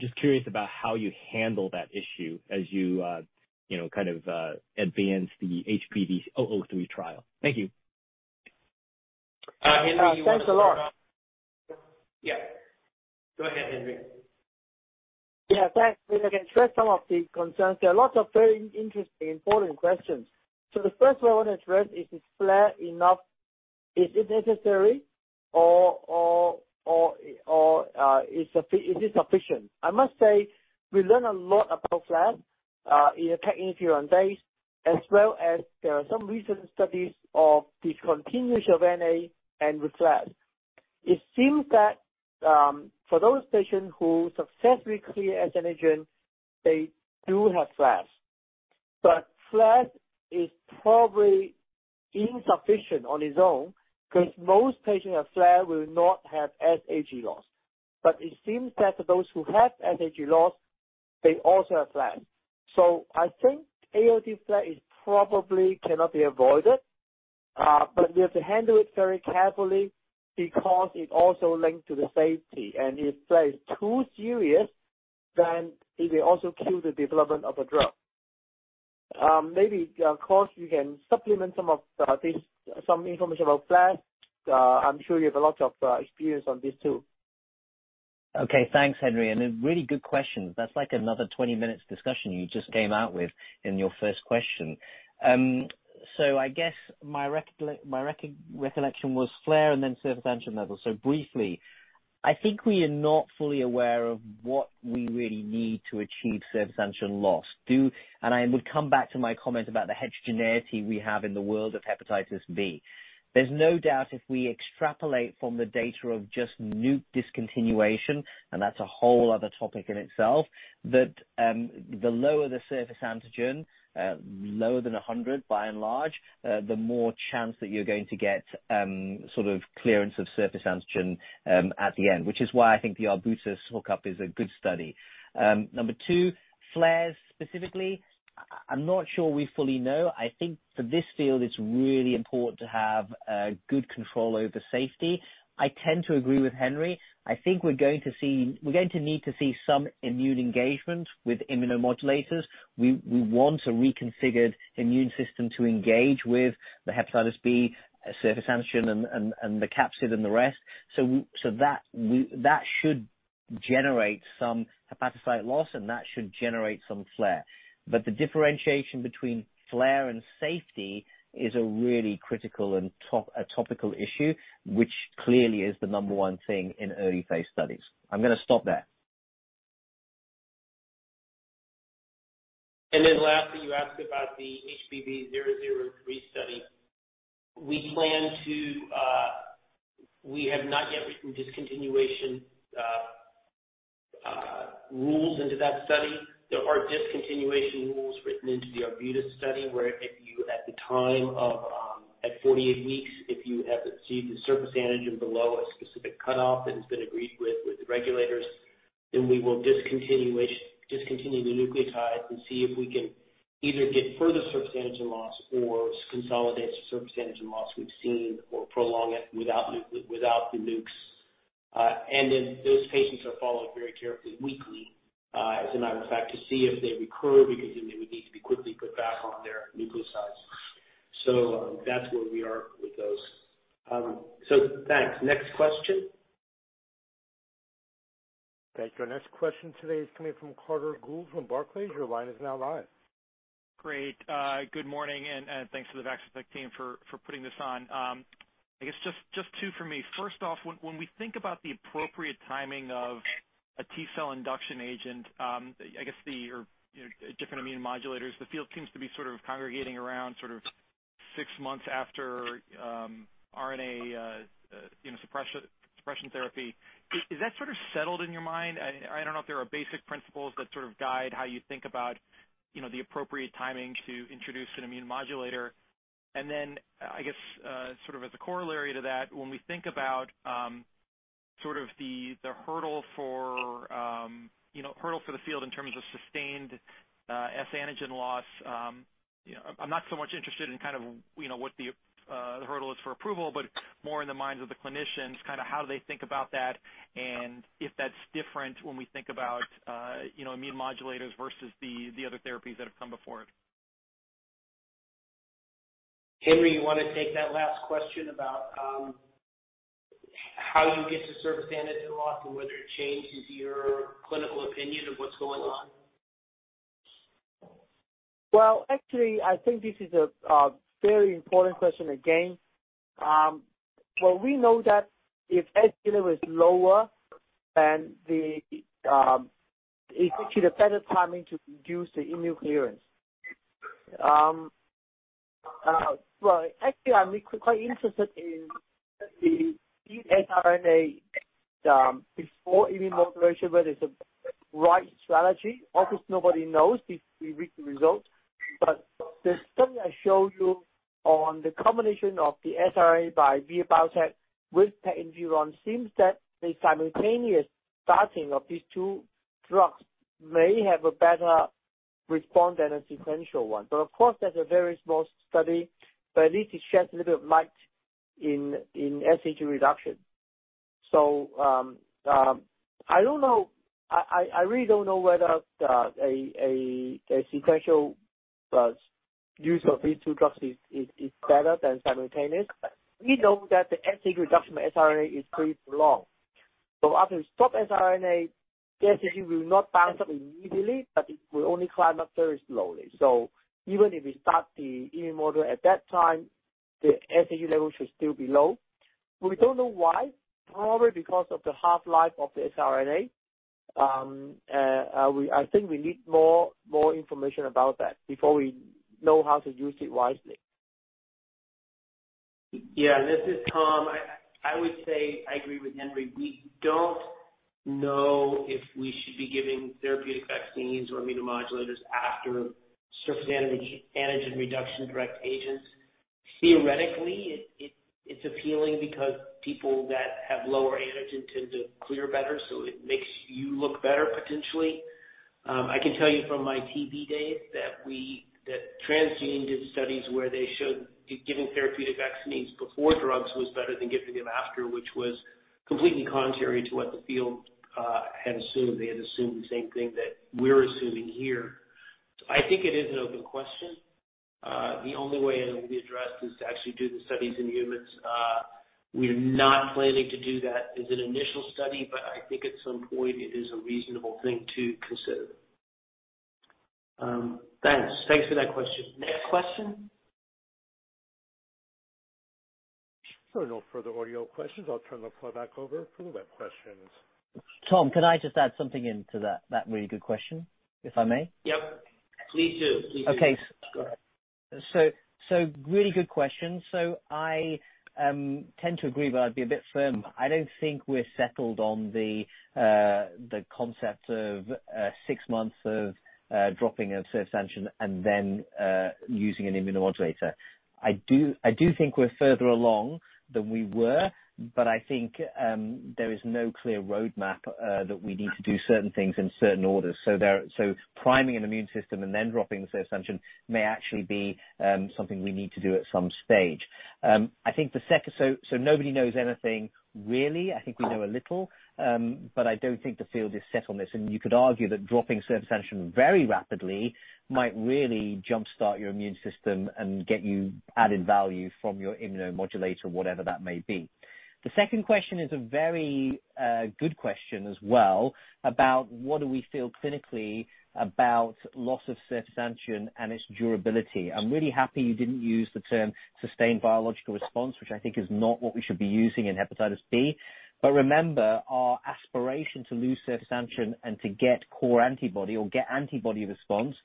Speaker 6: just curious about how you handle that issue as you know, kind of advance the HBV003 trial. Thank you.
Speaker 3: Henry, you wanna-
Speaker 2: Thanks a lot.
Speaker 3: Yeah. Go ahead, Henry.
Speaker 2: Yeah, thanks. I can address some of the concerns. There are lots of very interesting, important questions. The first one I wanna address is flare enough? Is it necessary or is it sufficient? I must say, we learn a lot about flares in the 10, 15 days, as well as there are some recent studies of discontinuation of NA and with flares. It seems that for those patients who successfully clear S antigen, they do have flares. Flare is probably insufficient on its own because most patients have flare will not have HBsAg loss. It seems that those who have HBsAg loss, they also have flares. I think ALT flare probably cannot be avoided, but we have to handle it very carefully because it also links to the safety. If flare is too serious, then it will also kill the development of a drug. Maybe Kosh, you can supplement some of this, some information about flares. I'm sure you have a lot of experience on this too.
Speaker 3: Okay. Thanks, Henry, and really good questions. That's like another 20 minutes discussion you just came out with in your first question. I guess my recollection was flare and then surface antigen level. Briefly, I think we are not fully aware of what we really need to achieve surface antigen loss. I would come back to my comment about the heterogeneity we have in the world of hepatitis B. There's no doubt if we extrapolate from the data of just nuke discontinuation, and that's a whole other topic in itself, that the lower the surface antigen, lower than 100 by and large, the more chance that you're going to get sort of clearance of surface antigen at the end, which is why I think the Arbutus hookup is a good study. Number two, flares specifically, I'm not sure we fully know. I think for this field it's really important to have good control over safety. I tend to agree with Henry. I think we're going to need to see some immune engagement with immunomodulators. We want a reconfigured immune system to engage with the hepatitis B surface antigen and the capsid and the rest. So that should generate some hepatocyte loss, and that should generate some flare. But the differentiation between flare and safety is a really critical and topical issue, which clearly is the number one thing in early phase studies. I'm gonna stop there.
Speaker 4: Lastly, you asked about the HBV003 study. We have not yet written discontinuation rules into that study. There are discontinuation rules written into the Arbutus study, where if you, at the time of, at 48 weeks, if you have achieved the surface antigen below a specific cutoff that has been agreed with the regulators. Then we will discontinue the nucleotide and see if we can either get further surface antigen loss or consolidate the surface antigen loss we've seen or prolong it without the nukes. Those patients are followed very carefully weekly, as a matter of fact, to see if they recur because then they would need to be quickly put back on their nucleosides. That's where we are with those. Thanks. Next question.
Speaker 5: Thank you. Our next question today is coming from Carter Gould from Barclays. Your line is now live.
Speaker 7: Great. Good morning and thanks to the Vaccitech team for putting this on. I guess just two for me. First off, when we think about the appropriate timing of a T-cell induction agent, I guess or you know different immune modulators, the field seems to be sort of congregating around sort of six months after RNA you know suppression therapy. Is that sort of settled in your mind? I don't know if there are basic principles that sort of guide how you think about you know the appropriate timing to introduce an immune modulator. I guess, sort of as a corollary to that, when we think about, sort of the hurdle for the field in terms of sustained S antigen loss, you know, I'm not so much interested in kind of, you know, what the hurdle is for approval, but more in the minds of the clinicians, kind of how do they think about that, and if that's different when we think about, you know, immune modulators versus the other therapies that have come before it.
Speaker 3: Henry, you wanna take that last question about how you get to surface antigen loss and whether it changes your clinical opinion of what's going on?
Speaker 2: Well, actually, I think this is a very important question again. Well, we know that if S [antigen] is lower then it gives you the better timing to reduce the immune clearance. Well, actually, I'm really quite interested in the siRNA before immune modulation, whether it's a right strategy. Of course, nobody knows if we reach the results. But the study I showed you on the combination of the siRNA by Vir Biotechnology with pegylated interferon seems that the simultaneous starting of these two drugs may have a better response than a sequential one. But of course, that's a very small study, but at least it sheds a little bit of light in HBsAg reduction. So, I don't know. I really don't know whether a sequential use of these two drugs is better than simultaneous. We know that the HBsAg reduction of siRNA is pretty long. After we stop siRNA, the HBsAg will not bounce up immediately, but it will only climb up very slowly. Even if we start the immune model at that time, the HBsAg level should still be low. We don't know why. Probably because of the half-life of the siRNA. I think we need more information about that before we know how to use it wisely.
Speaker 4: Yeah. This is Tom. I would say I agree with Henry. We don't know if we should be giving therapeutic vaccines or immunomodulators after surface antigen reduction direct agents. Theoretically, it's appealing because people that have lower antigen tend to clear better, so it makes you look better potentially. I can tell you from my TB days that transgenic did studies where they showed giving therapeutic vaccines before drugs was better than giving them after, which was completely contrary to what the field had assumed. They had assumed the same thing that we're assuming here. I think it is an open question. The only way it'll be addressed is to actually do the studies in humans. We're not planning to do that as an initial study, but I think at some point it is a reasonable thing to consider. Thanks. Thanks for that question. Next question.
Speaker 5: No further audio questions. I'll turn the floor back over for the web questions.
Speaker 3: Tom, can I just add something in to that really good question, if I may?
Speaker 4: Yep, please do.
Speaker 3: Okay.
Speaker 4: Go ahead.
Speaker 3: Really good question. I tend to agree, but I'd be a bit firm. I don't think we're settled on the concept of six months of dropping of [surf sanction] and then using an immunomodulator. I do think we're further along than we were, but I think there is no clear roadmap that we need to do certain things in certain orders. Priming an immune system and then dropping [HBsAg] may actually be something we need to do at some stage. Nobody knows anything really. I think we know a little, but I don't think the field is set on this. You could argue that dropping [HBsAg] very rapidly might really jumpstart your immune system and get you added value from your immunomodulator, whatever that may be. The second question is a very good question as well about what do we feel clinically about loss of [HBsAg] and its durability. I'm really happy you didn't use the term sustained virological response, which I think is not what we should be using in hepatitis B. Remember, our aspiration to lose [HBsAg] and to get core antibody or get antibody response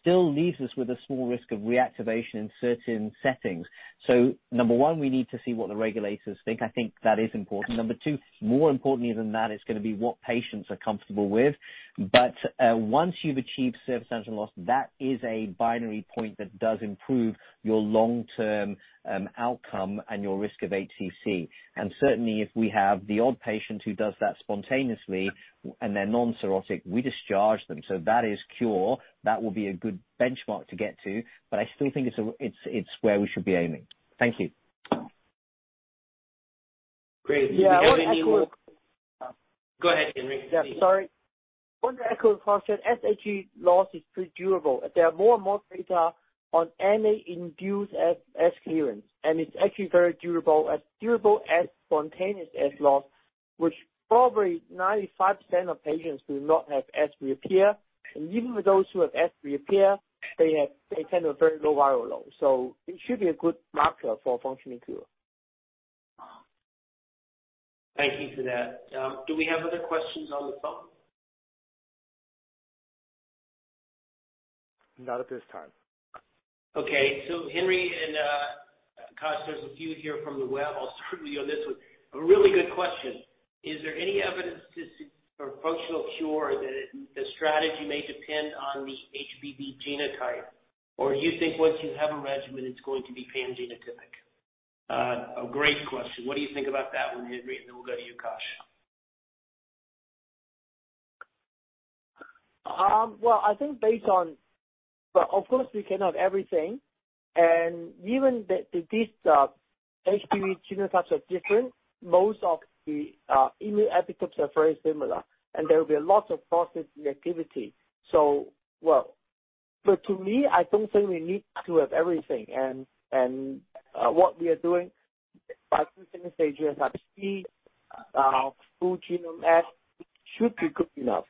Speaker 3: still leaves us with a small risk of reactivation in certain settings. Number one, we need to see what the regulators think. I think that is important. Number two, more importantly than that is gonna be what patients are comfortable with. Once you've achieved [HBsAg] loss, that is a binary endpoint that does improve your long-term outcome and your risk of HCC. Certainly if we have the odd patient who does that spontaneously and they're non-cirrhotic, we discharge them. That is cure. That will be a good benchmark to get to, but I still think it's where we should be aiming. Thank you.
Speaker 4: Great.
Speaker 2: Yeah, I would echo.
Speaker 4: Do we have any more? Go ahead, Henry.
Speaker 2: Yeah, sorry. I want to echo the functional HBsAg loss is pretty durable. There are more and more data on NA-induced HBsAg clearance, and it's actually very durable. As durable as spontaneous S loss, which probably 95% of patients do not have HBsAg reappear. Even with those who have HBsAg reappear, they tend to have very low viral load. It should be a good marker for functional cure.
Speaker 4: Thank you for that. Do we have other questions on the phone?
Speaker 5: Not at this time.
Speaker 4: Okay. Henry and Kosh, there's a few here from the web. I'll start with you on this one. A really good question. Is there any evidence for functional cure that the strategy may depend on the HBV genotype, or you think once you have a regimen it's going to be pan-genotypic? A great question. What do you think about that one, Henry? Then we'll go to you, Kosh.
Speaker 2: Well, I think. Of course we cannot everything and even these HBV genotypes are different, most of the immune epitopes are very similar, and there will be lots of cross-reactivity. Well, to me, I don't think we need to have everything and what we are doing by using HBsAg consensus full-genome S should be good enough.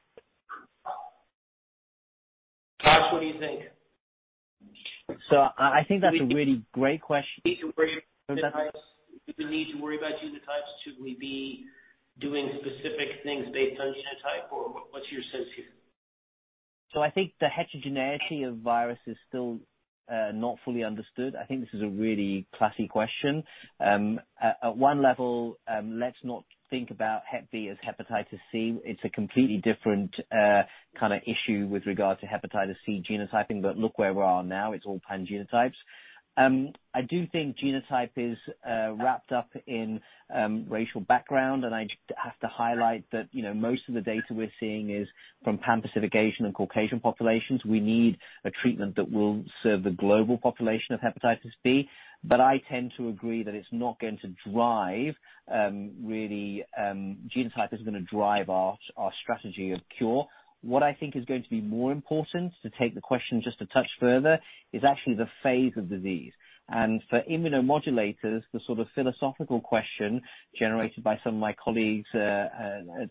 Speaker 4: Kosh, what do you think?
Speaker 3: I think that's a really great question.
Speaker 4: Do we need to worry about genotypes? Should we be doing specific things based on genotype or what's your sense here?
Speaker 3: I think the heterogeneity of virus is still not fully understood. I think this is a really classy question. At one level, let's not think about hep B as hepatitis C. It's a completely different kind of issue with regards to hepatitis C genotyping. Look where we are now, it's all pan genotypes. I do think genotype is wrapped up in racial background, and I have to highlight that, you know, most of the data we're seeing is from pan-Pacific Asian and Caucasian populations. We need a treatment that will serve the global population of hepatitis B. I tend to agree that it's not going to drive, really, genotype is gonna drive our strategy of cure. What I think is going to be more important, to take the question just a touch further, is actually the phase of disease. For immunomodulators, the sort of philosophical question generated by some of my colleagues,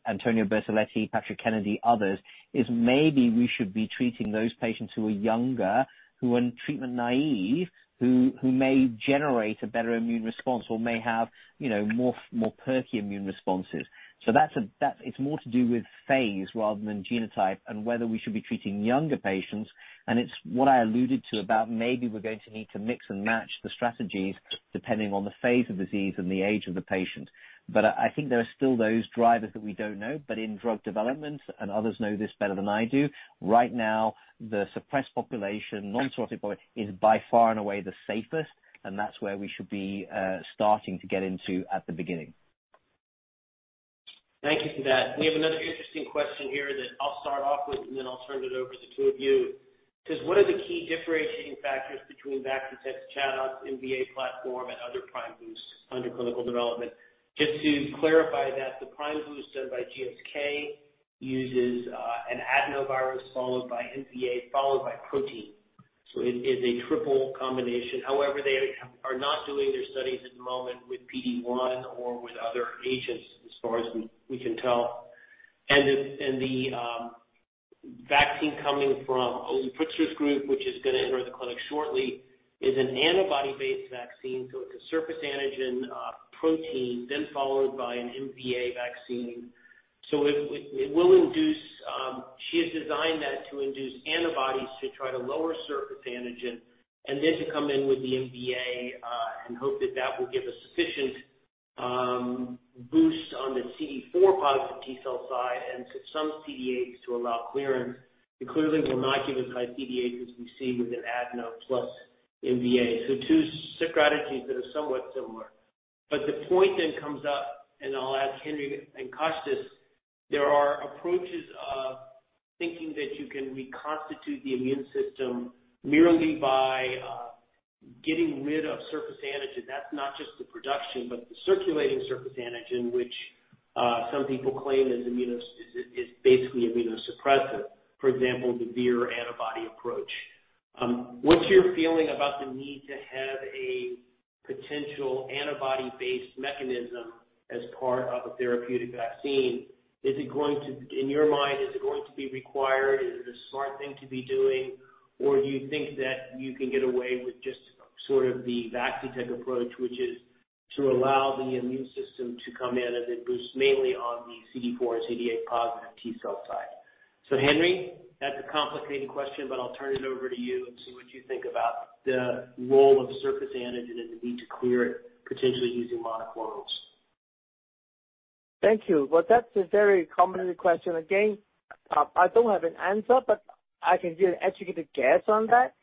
Speaker 3: Antonio Bertoletti, Patrick Kennedy, others, is maybe we should be treating those patients who are younger, who are treatment naive, who may generate a better immune response or may have, you know, more perky immune responses. It's more to do with phase rather than genotype and whether we should be treating younger patients. It's what I alluded to about maybe we're going to need to mix and match the strategies depending on the phase of disease and the age of the patient. I think there are still those drivers that we don't know. In drug development, and others know this better than I do, right now, the suppressed population, non-cirrhotic body is by far and away the safest, and that's where we should be starting to get into at the beginning.
Speaker 4: Thank you for that. We have another interesting question here that I'll start off with, and then I'll turn it over to the two of you. It says, "What are the key differentiating factors between Vaccitech's ChAdOx MVA platform and other prime boosts under clinical development?" Just to clarify that, the prime boost done by GSK uses an adenovirus followed by MVA, followed by protein. It is a triple combination. However, they are not doing their studies at the moment with PD-1 or with other agents, as far as we can tell. The vaccine coming from Ulrike Protzer's group, which is gonna enter the clinic shortly, is an antibody-based vaccine, so it's a surface antigen protein, then followed by an MVA vaccine. It will induce... She has designed that to induce antibodies to try to lower surface antigen and then to come in with the MVA and hope that that will give a sufficient boost on the CD4-positive T-cell side and to some CD8s to allow clearance, but clearly will not give us high CD8s as we see with an adeno plus MVA. Two strategies that are somewhat similar. The point then comes up, and I'll ask Henry and Kosh this, there are approaches of thinking that you can reconstitute the immune system merely by getting rid of surface antigen. That's not just the production, but the circulating surface antigen, which some people claim is immunosuppressive, is basically immunosuppressive. For example, the Vir antibody approach. What's your feeling about the need to have a potential antibody-based mechanism as part of a therapeutic vaccine? Is it going to, in your mind, be required? Is it a smart thing to be doing? Or do you think that you can get away with just sort of the Vaccitech approach, which is to allow the immune system to come in and then boost mainly on the CD4 and CD8 positive T-cell side? Henry, that's a complicated question, but I'll turn it over to you and see what you think about the role of surface antigen and the need to clear it, potentially using monoclonals.
Speaker 2: Thank you. Well, that's a very common question. Again, I don't have an answer, but I can give an educated guess on that.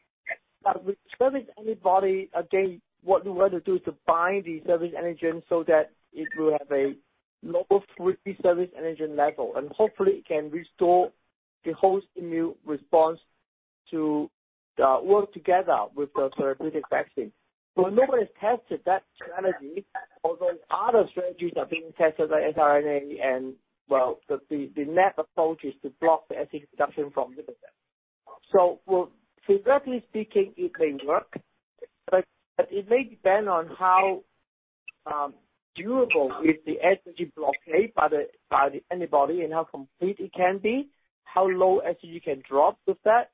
Speaker 4: Okay.
Speaker 2: With surface antibody, again, what we want to do is to bind the surface antigen so that it will have a lower free surface antigen level, and hopefully it can restore the host immune response to work together with the therapeutic vaccine. Nobody has tested that strategy, although other strategies are being tested like mRNA and the NAP approach is to block the antigen production from liver cells. Well, theoretically speaking, it may work, but it may depend on how durable is the antigen blockade by the antibody and how complete it can be. How low HBsAg you can drop with that.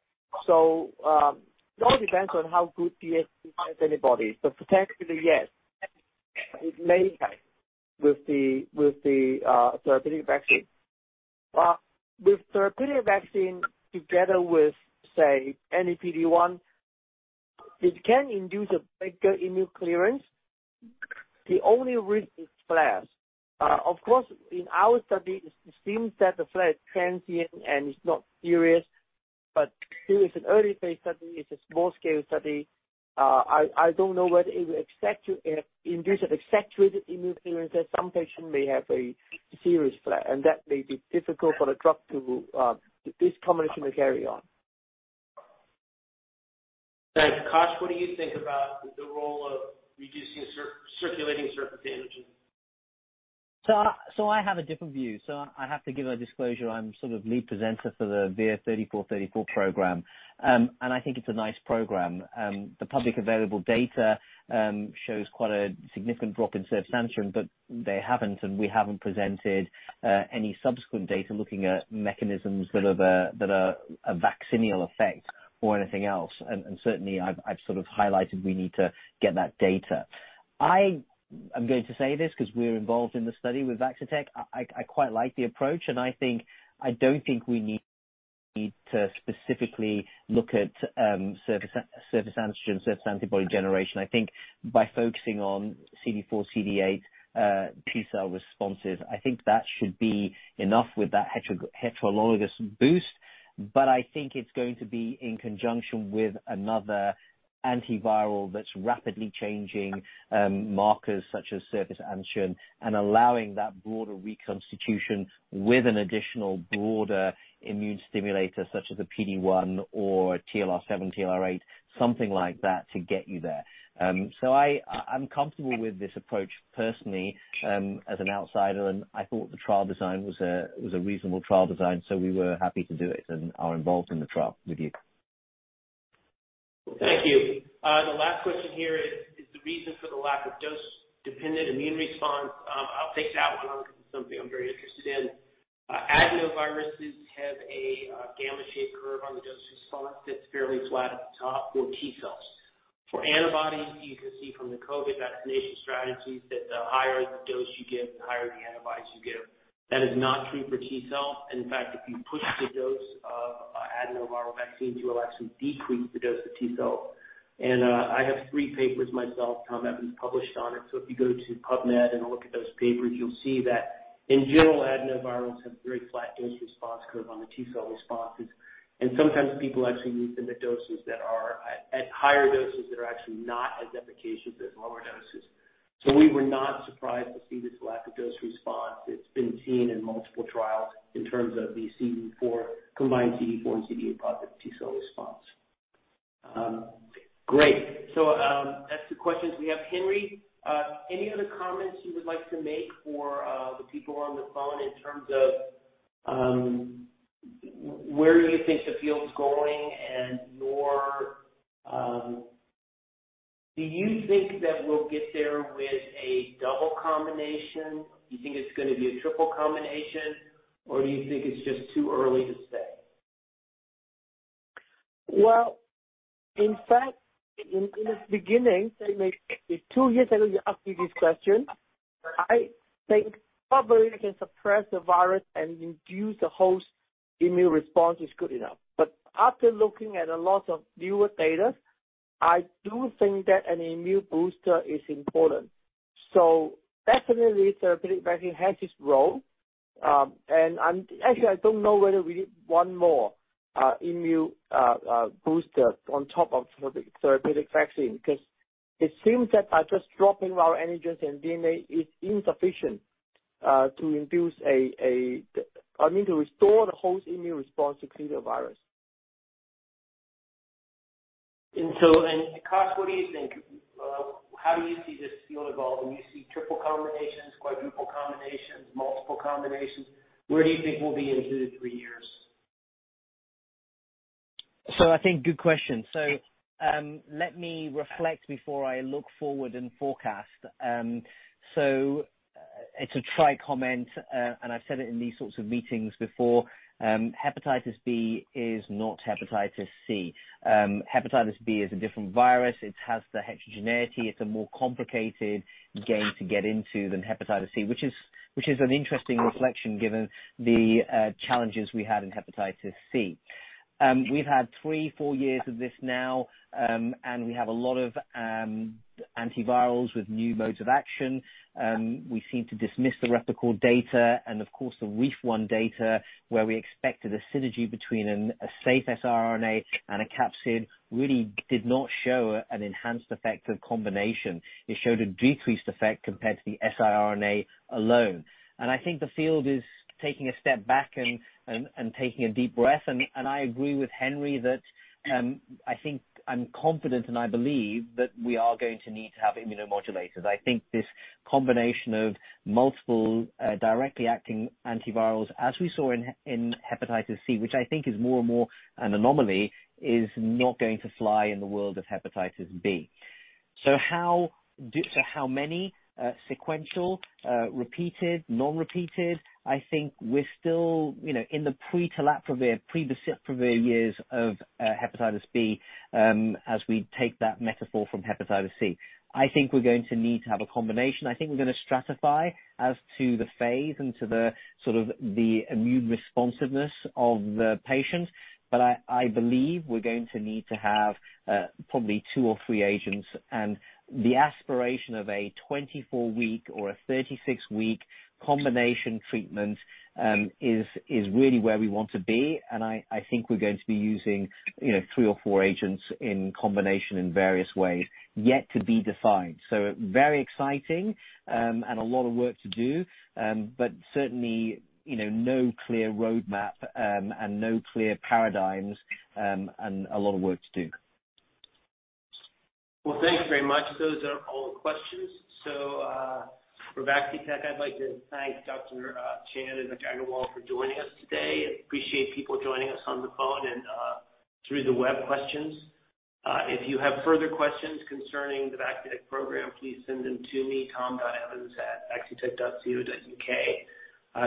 Speaker 2: It all depends on how good PreS-binding antibody. Potentially, yes, it may help with the therapeutic vaccine. With therapeutic vaccine together with, say, any PD-1, it can induce a bigger immune clearance. The only risk is flares. Of course, in our study it seems that the flare is transient and is not serious, but still it's an early phase study, it's a small scale study. I don't know whether it will expect to induce an exaggerated immune clearance that some patients may have a serious flare and that may be difficult for this combination to carry on.
Speaker 4: Thanks. Kosh, what do you think about the role of reducing circulating surface antigens?
Speaker 3: I have a different view. I have to give a disclosure. I'm sort of lead presenter for the VIR-3434 program. And I think it's a nice program. The public available data shows quite a significant drop in surface antigen, but they haven't and we haven't presented any subsequent data looking at mechanisms that are a vaccinal effect or anything else. And certainly I've highlighted we need to get that data. I am going to say this because we're involved in the study with Vaccitech. I quite like the approach, and I think I don't think we need to specifically look at surface antigen, surface antibody generation. I think by focusing on CD4-CD8 T-cell responses, I think that should be enough with that heterologous boost. I think it's going to be in conjunction with another antiviral that's rapidly changing markers such as surface antigen and allowing that broader reconstitution with an additional broader immune stimulator, such as a PD-1 or TLR7, TLR8, something like that, to get you there. I'm comfortable with this approach personally, as an outsider, and I thought the trial design was a reasonable trial design, so we were happy to do it and are involved in the trial with you. Thank you. The last question here is the reason for the lack of dose-dependent immune response. I'll take that one on because it's something I'm very interested in. Adenoviruses have a gamma-shaped curve on the dose-response that's fairly flat at the top for T-cells. For antibodies, you can see from the COVID vaccination strategies that the higher the dose you give, the higher the antibodies you get. That is not true for T-cells. In fact, if you push the dose of adenoviral vaccines, you will actually decrease the T-cell response. I have three papers myself, Tom, that we've published on it. If you go to PubMed and look at those papers, you'll see that in general, adenoviruses have very flat dose-response curve on the T-cell responses. Sometimes people actually use them at higher doses that are actually not as efficacious as lower doses. We were not surprised to see this lack of dose response. It's been seen in multiple trials in terms of the CD4, combined CD4 and CD8 positive T-cell response.
Speaker 4: Great. That's the questions we have. Henry, any other comments you would like to make for the people on the phone in terms of where do you think the field's going and your... Do you think that we'll get there with a double combination? Do you think it's gonna be a triple combination, or do you think it's just too early to say?
Speaker 2: In fact, in the beginning, say like two years ago, you asked me this question. I think probably we can suppress the virus and induce the host immune response is good enough. After looking at a lot of newer data, I do think that an immune booster is important. Definitely therapeutic vaccine has its role. Actually, I don't know whether we need one more immune booster on top of the therapeutic vaccine because it seems that by just dropping our antigens in DNA is insufficient to induce, I mean, to restore the host immune response to clear the virus.
Speaker 4: Kosh, what do you think? How do you see this field evolving? Do you see triple combinations, quadruple combinations, multiple combinations? Where do you think we'll be in two to three years?
Speaker 3: I think it's a good question. Let me reflect before I look forward and forecast. It's a trite comment, and I've said it in these sorts of meetings before. hepatitis B is not hepatitis C. Hepatitis B is a different virus. It has the heterogeneity. It's a more complicated game to get into than hepatitis C, which is an interesting reflection given the challenges we had in hepatitis C. We've had three to four years of this now, and we have a lot of antivirals with new modes of action. We seem to dismiss the Replicor data and of course, the REEF-1 data where we expected a synergy between a safe siRNA and a capsid really did not show an enhanced effect of combination. It showed a decreased effect compared to the siRNA alone. I think the field is taking a step back and taking a deep breath. I agree with Henry that I think I'm confident, and I believe that we are going to need to have immunomodulators. I think this combination of multiple direct-acting antivirals, as we saw in hepatitis C, which I think is more and more an anomaly, is not going to fly in the world of hepatitis B. How many sequential repeated, non-repeated? I think we're still, you know, in the pre-telaprevir, pre-boceprevir years of hepatitis B as we take that metaphor from hepatitis C. I think we're going to need to have a combination. I think we're gonna stratify as to the phase and to the sort of immune responsiveness of the patient. I believe we're going to need to have probably two or three agents. The aspiration of a 24-week or a 36-week combination treatment is really where we want to be. I think we're going to be using, you know, three or four agents in combination in various ways yet to be defined. Very exciting, and a lot of work to do. Certainly, you know, no clear roadmap, and no clear paradigms, and a lot of work to do.
Speaker 4: Well, thank you very much. Those are all the questions. For Vaccitech, I'd like to thank Dr. Chan and Dr. Agarwal for joining us today. I appreciate people joining us on the phone and through the web questions. If you have further questions concerning the Vaccitech program, please send them to me, tom.evans@vaccitech.co.uk.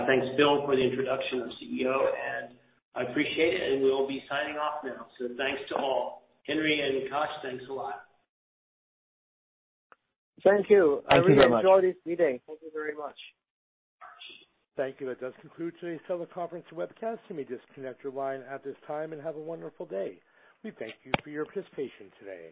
Speaker 4: Thanks, Bill, for the introduction as CEO, and I appreciate it. We'll be signing off now. Thanks to all. Henry and Kosh, thanks a lot.
Speaker 2: Thank you.
Speaker 3: Thank you very much.
Speaker 2: I really enjoyed this meeting.
Speaker 1: Thank you very much.
Speaker 5: Thank you. That does conclude today's teleconference webcast. You may disconnect your line at this time and have a wonderful day. We thank you for your participation today.